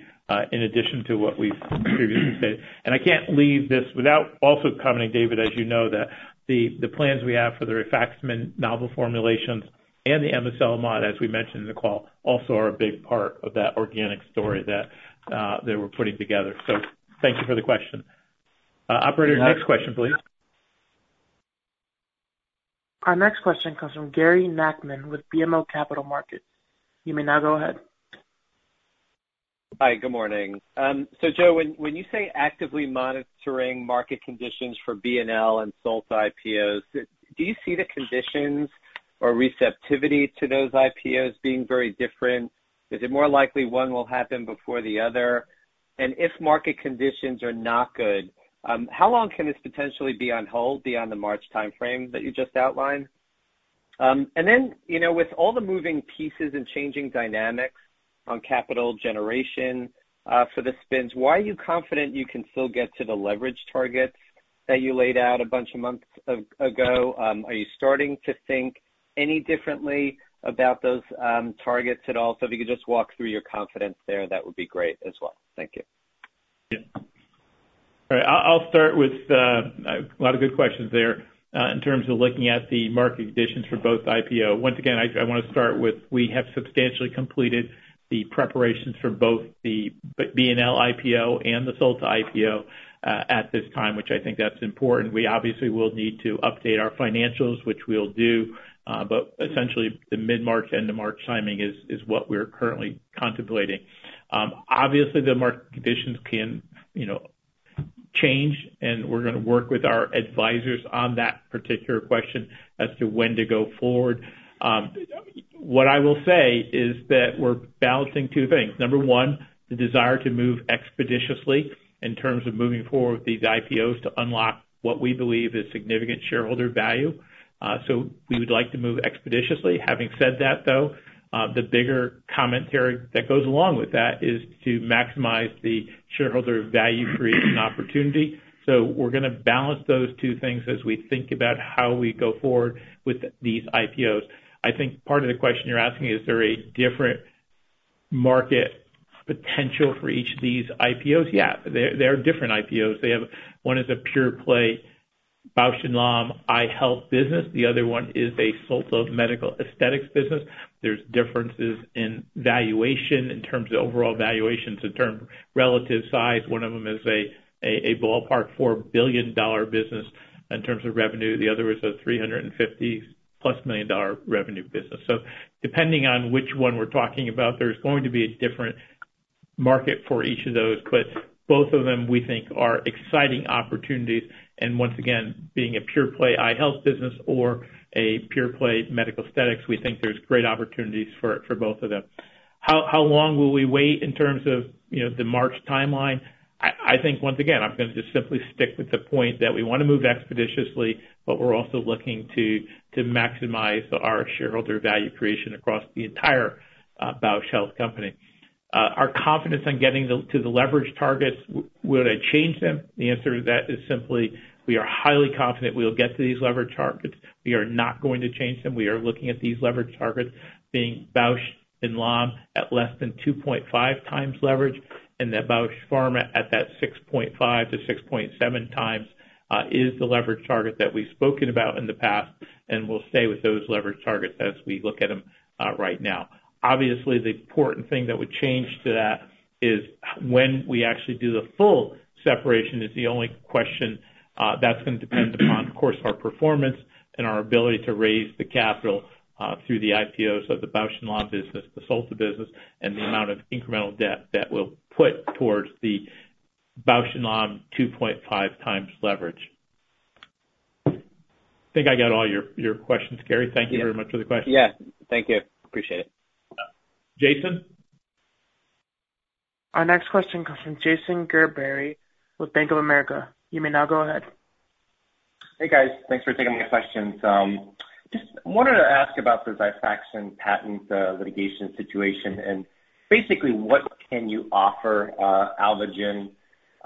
in addition to what we've previously said. I can't leave this without also commenting, David, as you know, that the plans we have for the rifaximin novel formulations and the amiselimod, as we mentioned in the call, also are a big part of that organic story that we're putting together. Thank you for the question. Operator, next question, please. Our next question comes from Gary Nachman with BMO Capital Markets. You may now go ahead. Hi, good morning. Joe, when you say actively monitoring market conditions for B+L and Solta IPOs, do you see the conditions or receptivity to those IPOs being very different? Is it more likely one will happen before the other? If market conditions are not good, how long can this potentially be on hold beyond the March timeframe that you just outlined? You know, with all the moving pieces and changing dynamics on capital generation for the spins, why are you confident you can still get to the leverage targets that you laid out a bunch of months ago? Are you starting to think any differently about those targets at all? If you could just walk through your confidence there, that would be great as well. Thank you. All right, I'll start with a lot of good questions there in terms of looking at the market conditions for both IPOs. Once again, I wanna start with we have substantially completed the preparations for both the B+L IPO and the Solta IPO at this time, which I think that's important. We obviously will need to update our financials, which we'll do, but essentially the mid-March, end of March timing is what we're currently contemplating. Obviously the market conditions can, you know, change, and we're gonna work with our advisors on that particular question as to when to go forward. What I will say is that we're balancing two things. Number one, the desire to move expeditiously in terms of moving forward with these IPOs to unlock what we believe is significant shareholder value. We would like to move expeditiously. Having said that, though, the bigger commentary that goes along with that is to maximize the shareholder value creation opportunity. We're gonna balance those two things as we think about how we go forward with these IPOs. I think part of the question you're asking is there a different market potential for each of these IPOs? Yeah. They're different IPOs. They have. One is a pure play Bausch + Lomb eye health business. The other one is a Solta Medical medical aesthetics business. There's differences in valuation in terms of overall valuation, so in terms of relative size, one of them is a ballpark $4 billion business in terms of revenue. The other is a $350+ million revenue business. Depending on which one we're talking about, there's going to be a different market for each of those. Both of them, we think, are exciting opportunities. Once again, being a pure play eye health business or a pure play medical aesthetics, we think there's great opportunities for both of them. How long will we wait in terms of the March timeline? I think, once again, I'm gonna just simply stick with the point that we wanna move expeditiously, but we're also looking to maximize our shareholder value creation across the entire Bausch Health company. Our confidence on getting to the leverage targets, would I change them? The answer to that is simply we are highly confident we will get to these leverage targets. We are not going to change them. We are looking at these leverage targets being Bausch + Lomb at less than 2.5x leverage, and that Bausch Pharma at that 6.5x-6.7x is the leverage target that we've spoken about in the past, and we'll stay with those leverage targets as we look at them right now. Obviously, the important thing that would change to that is when we actually do the full separation is the only question. That's gonna depend upon, of course, our performance and our ability to raise the capital through the IPOs of the Bausch + Lomb business, the Solta business, and the amount of incremental debt that we'll put towards the Bausch + Lomb 2.5x leverage. I think I got all your questions, Gary. Yeah. Thank you very much for the question. Yeah. Thank you. Appreciate it. Jason? Our next question comes from Jason Gerberry with Bank of America. You may now go ahead. Hey, guys. Thanks for taking my questions. Just wanted to ask about the XIFAXAN patent litigation situation. Basically what can you offer Alvogen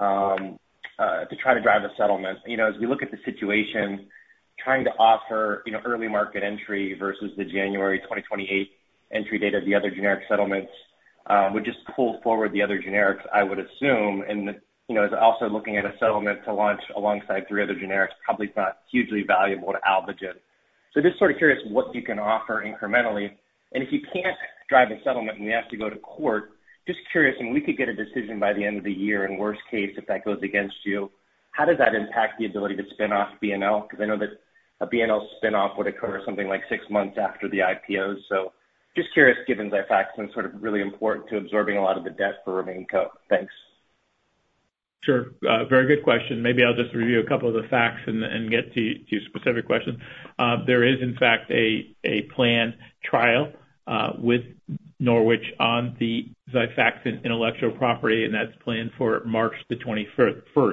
to try to drive a settlement? You know, as we look at the situation, trying to offer you know early market entry versus the January 2028 entry date of the other generic settlements would just pull forward the other generics, I would assume. You know, also looking at a settlement to launch alongside three other generics, probably it's not hugely valuable to Alvogen. Just sort of curious what you can offer incrementally. If you can't drive a settlement and you have to go to court, just curious, and we could get a decision by the end of the year, and worst case, if that goes against you, how does that impact the ability to spin off B+L? Because I know that a B+L spin-off would occur something like six months after the IPO. Just curious, given XIFAXAN is sort of really important to absorbing a lot of the debt for remaining co. Thanks. Sure. Very good question. Maybe I'll just review a couple of the facts and get to your specific question. There is, in fact, a planned trial with Norwich on the XIFAXAN intellectual property, and that's planned for March the 21st.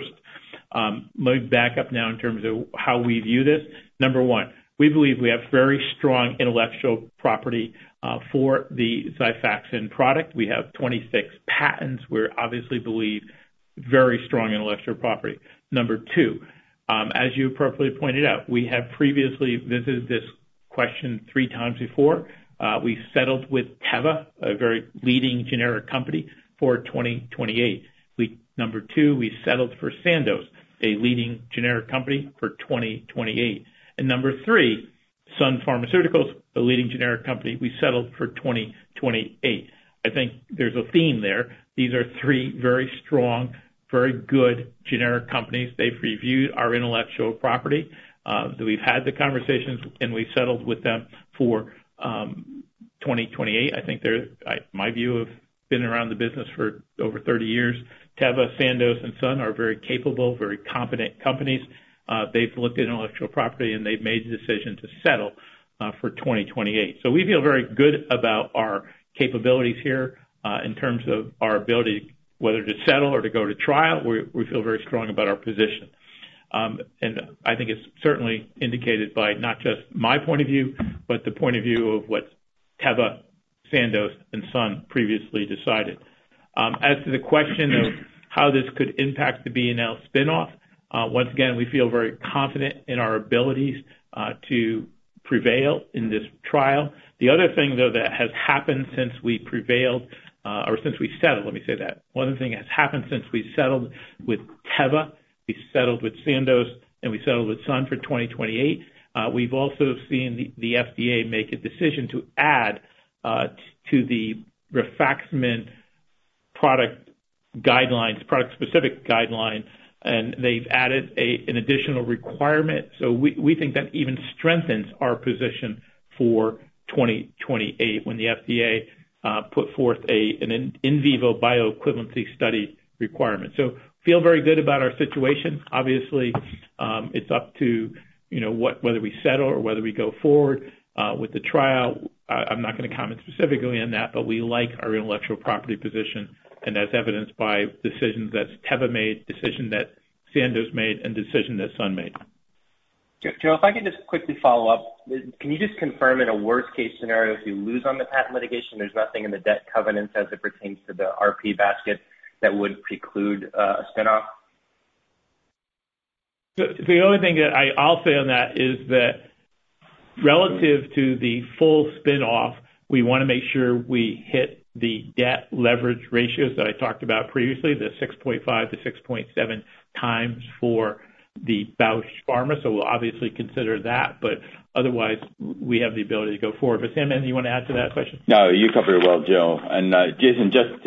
Let me back up now in terms of how we view this. Number one, we believe we have very strong intellectual property for the XIFAXAN product. We have 26 patents. We obviously believe very strong intellectual property. Number two, as you appropriately pointed out, we have previously visited this question three times before. We settled with Teva, a very leading generic company, for 2028. Number two, we settled for Sandoz, a leading generic company, for 2028. Number three, Sun Pharmaceuticals, a leading generic company, we settled for 2028. I think there's a theme there. These are three very strong, very good generic companies. They've reviewed our intellectual property, so we've had the conversations and we've settled with them for 2028. My view of being around the business for over 30 years, Teva, Sandoz, and Sun are very capable, very competent companies. They've looked at intellectual property, and they've made the decision to settle for 2028. We feel very good about our capabilities here, in terms of our ability whether to settle or to go to trial. We feel very strong about our position. I think it's certainly indicated by not just my point of view, but the point of view of what Teva, Sandoz, and Sun previously decided. As to the question of how this could impact the B+L spin-off, once again, we feel very confident in our abilities to prevail in this trial. The other thing, though, that has happened since we prevailed, or since we settled, let me say that. One other thing has happened since we settled with Teva, we settled with Sandoz, and we settled with Sun for 2028. We've also seen the FDA make a decision to add to the rifaximin product guidelines, product specific guidelines, and they've added an additional requirement. So we think that even strengthens our position for 2028 when the FDA put forth an in vivo bioequivalency study requirement. So we feel very good about our situation. Obviously, it's up to, you know, what, whether we settle or whether we go forward with the trial. I'm not gonna comment specifically on that, but we like our intellectual property position, and as evidenced by decisions that Teva made, decision that Sandoz made, and decision that Sun made. Joe, if I can just quickly follow up. Can you just confirm in a worst case scenario, if you lose on the patent litigation, there's nothing in the debt covenants as it pertains to the RP basket that would preclude a spin off? The only thing that I'll say on that is that relative to the full spin-off, we wanna make sure we hit the debt leverage ratios that I talked about previously, the 6.5-6.7 times for Bausch Pharma. We'll obviously consider that, but otherwise we have the ability to go forward. Sam, anything you wanna add to that question? No, you covered it well, Joe. Jason, just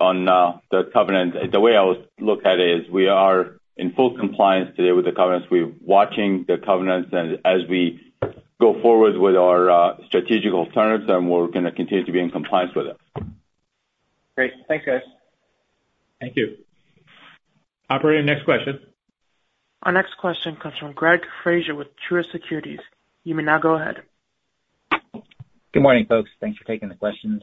on the covenant, the way I look at it is we are in full compliance today with the covenants. We're watching the covenants and as we go forward with our strategic alternatives, then we're gonna continue to be in compliance with it. Great. Thanks, guys. Thank you. Operator, next question. Our next question comes from Gregory Fraser with Truist Securities. You may now go ahead. Good morning, folks. Thanks for taking the questions.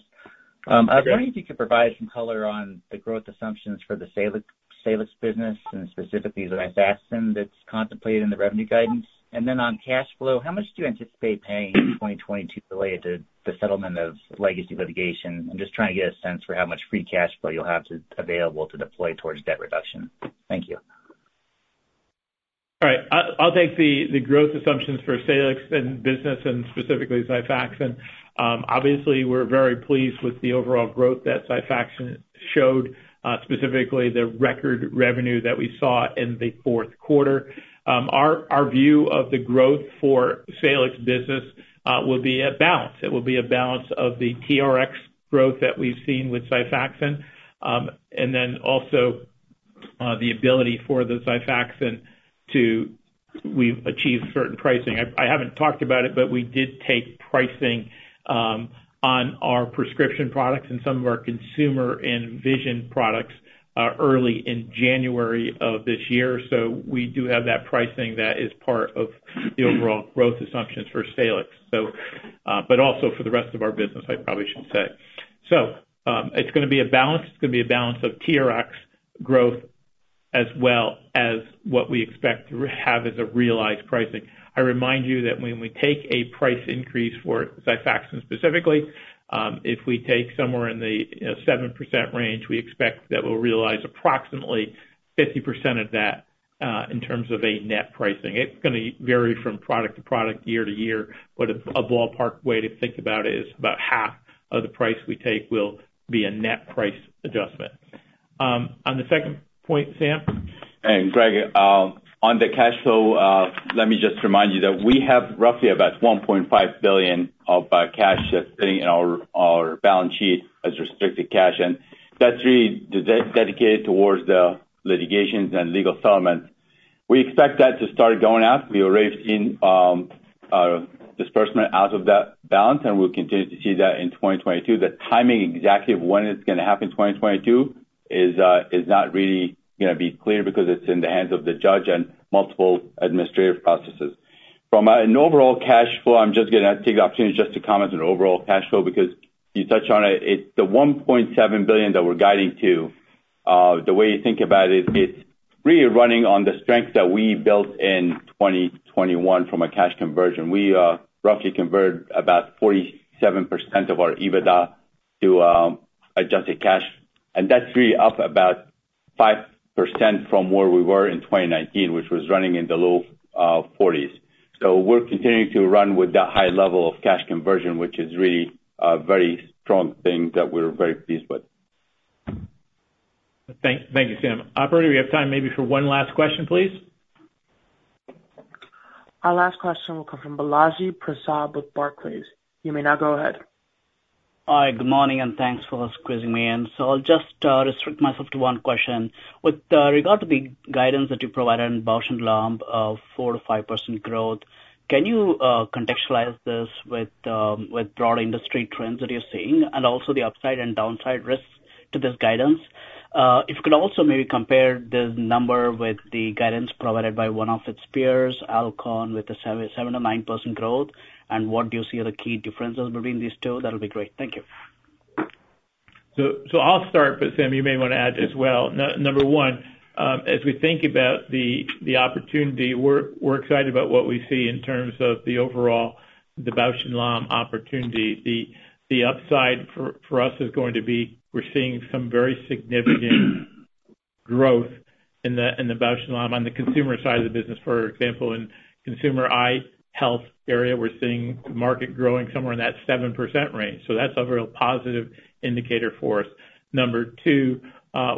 I was wondering if you could provide some color on the growth assumptions for the Salix business, and specifically the XIFAXAN that's contemplated in the revenue guidance. On cash flow, how much do you anticipate paying in 2022 related to the settlement of legacy litigation? I'm just trying to get a sense for how much free cash flow you'll have available to deploy towards debt reduction. Thank you. All right. I'll take the growth assumptions for Salix business and specifically XIFAXAN. Obviously, we're very pleased with the overall growth that XIFAXAN showed, specifically the record revenue that we saw in the fourth quarter. Our view of the growth for Salix business will be a balance. It will be a balance of the TRX growth that we've seen with XIFAXAN, and then also, we've achieved certain pricing. I haven't talked about it, but we did take pricing on our prescription products and some of our consumer and vision products early in January of this year. We do have that pricing that is part of the overall growth assumptions for Salix. Also for the rest of our business, I probably should say. It's gonna be a balance. It's gonna be a balance of TRX growth as well as what we expect to have as a realized pricing. I remind you that when we take a price increase for XIFAXAN specifically, if we take somewhere in the, you know, 7% range, we expect that we'll realize approximately 50% of that, in terms of a net pricing. It's gonna vary from product to product, year to year, but a ballpark way to think about it is about half of the price we take will be a net price adjustment. On the second point, Sam? Greg, on the cash flow, let me just remind you that we have roughly $1.5 billion of cash sitting in our balance sheet as restricted cash, and that's really dedicated towards the litigations and legal settlements. We expect that to start going out. We already seen disbursement out of that balance, and we'll continue to see that in 2022. The timing exactly of when it's gonna happen in 2022 is not really gonna be clear because it's in the hands of the judge and multiple administrative processes. From an overall cash flow, I'm just gonna take the opportunity just to comment on overall cash flow because you touched on it. It's the $1.7 billion that we're guiding to. The way you think about it's really running on the strength that we built in 2021 from a cash conversion. We roughly converted about 47% of our EBITDA to adjusted cash, and that's really up about 5% from where we were in 2019, which was running in the low 40s. We're continuing to run with that high level of cash conversion, which is really a very strong thing that we're very pleased with. Thank you, Sam. Operator, we have time maybe for one last question, please. Our last question will come from Balaji Prasad with Barclays. You may now go ahead. Hi, good morning, and thanks for squeezing me in. I'll just restrict myself to one question. With regard to the guidance that you provided on Bausch + Lomb of 4%-5% growth, can you contextualize this with broader industry trends that you're seeing and also the upside and downside risks to this guidance? If you could also maybe compare the number with the guidance provided by one of its peers, Alcon, with the 7%-9% growth, and what do you see are the key differences between these two, that'll be great. Thank you. I'll start, but Sam, you may wanna add as well. Number one, as we think about the opportunity, we're excited about what we see in terms of the overall Bausch + Lomb opportunity. The upside for us is going to be we're seeing some very significant growth in the Bausch + Lomb on the consumer side of the business. For example, in consumer eye health area, we're seeing the market growing somewhere in that 7% range. That's a real positive indicator for us. Number two,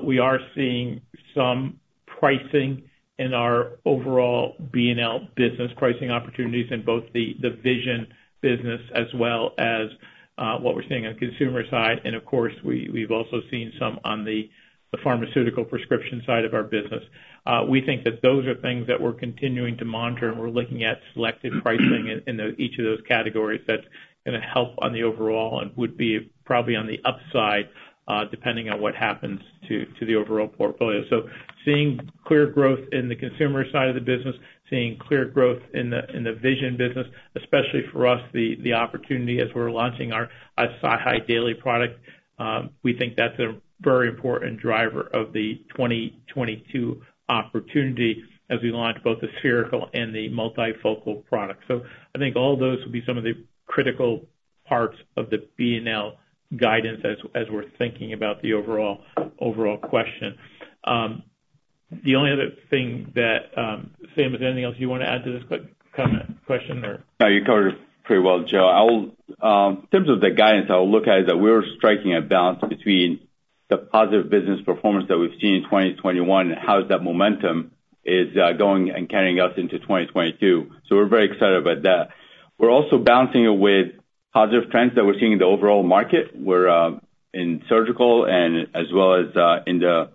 we are seeing some pricing in our overall B&L business, pricing opportunities in both the vision business as well as what we're seeing on consumer side. Of course, we've also seen some on the pharmaceutical prescription side of our business. We think that those are things that we're continuing to monitor, and we're looking at selective pricing in each of those categories that's gonna help on the overall and would be probably on the upside, depending on what happens to the overall portfolio. Seeing clear growth in the consumer side of the business, seeing clear growth in the vision business, especially for us, the opportunity as we're launching our SiHy daily product, we think that's a very important driver of the 2022 opportunity as we launch both the spherical and the multifocal products. I think all those will be some of the critical parts of the B+L guidance as we're thinking about the overall question. The only other thing that, Sam, is there anything else you wanna add to this question or? No, you covered it pretty well, Joe. In terms of the guidance, I'll look at it that we're striking a balance between the positive business performance that we've seen in 2021 and how that momentum is going and carrying us into 2022. We're very excited about that. We're also balancing it with positive trends that we're seeing in the overall market, where in surgical and as well as in the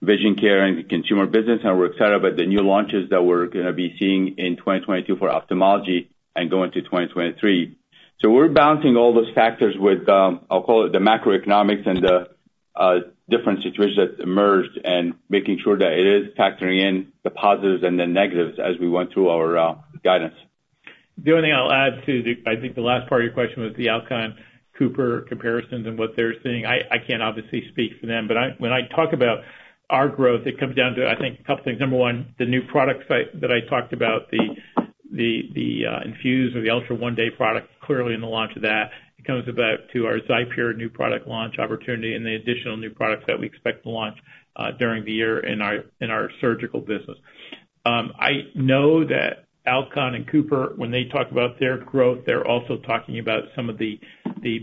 vision care and consumer business, and we're excited about the new launches that we're gonna be seeing in 2022 for ophthalmology and go into 2023. We're balancing all those factors with, I'll call it the macroeconomics and the different situations that emerged and making sure that it is factoring in the positives and the negatives as we went through our guidance. The only thing I'll add to the, I think the last part of your question was the Alcon Cooper comparisons and what they're seeing. I can't obviously speak for them, but when I talk about our growth, it comes down to, I think, a couple things. Number one, the new products that I talked about, the INFUSE or the ULTRA ONE DAY product, clearly in the launch of that. It comes about to our XIPERE new product launch opportunity and the additional new products that we expect to launch during the year in our surgical business. I know that Alcon and Cooper, when they talk about their growth, they're also talking about some of the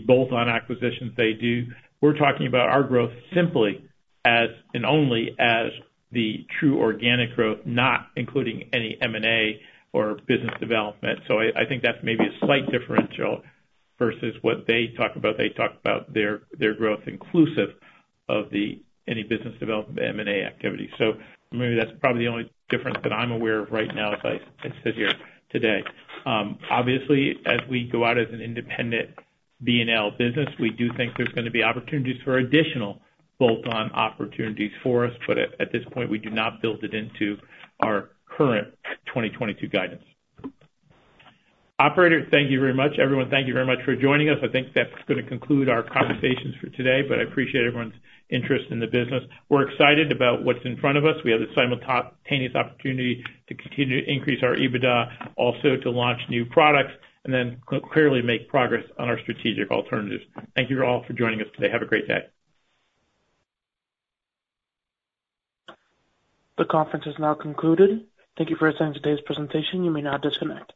bolt-on acquisitions they do. We're talking about our growth simply as, and only as, the true organic growth, not including any M&A or business development. I think that's maybe a slight differential versus what they talk about. They talk about their growth inclusive of any business development M&A activity. Maybe that's probably the only difference that I'm aware of right now as I sit here today. Obviously, as we go out as an independent B&L business, we do think there's gonna be opportunities for additional bolt-on opportunities for us, but at this point, we do not build it into our current 2022 guidance. Operator, thank you very much. Everyone, thank you very much for joining us. I think that's gonna conclude our conversations for today, but I appreciate everyone's interest in the business. We're excited about what's in front of us. We have the simultaneous opportunity to continue to increase our EBITDA, also to launch new products and then clearly make progress on our strategic alternatives. Thank you all for joining us today. Have a great day. The conference is now concluded. Thank you for attending today's presentation. You may now disconnect.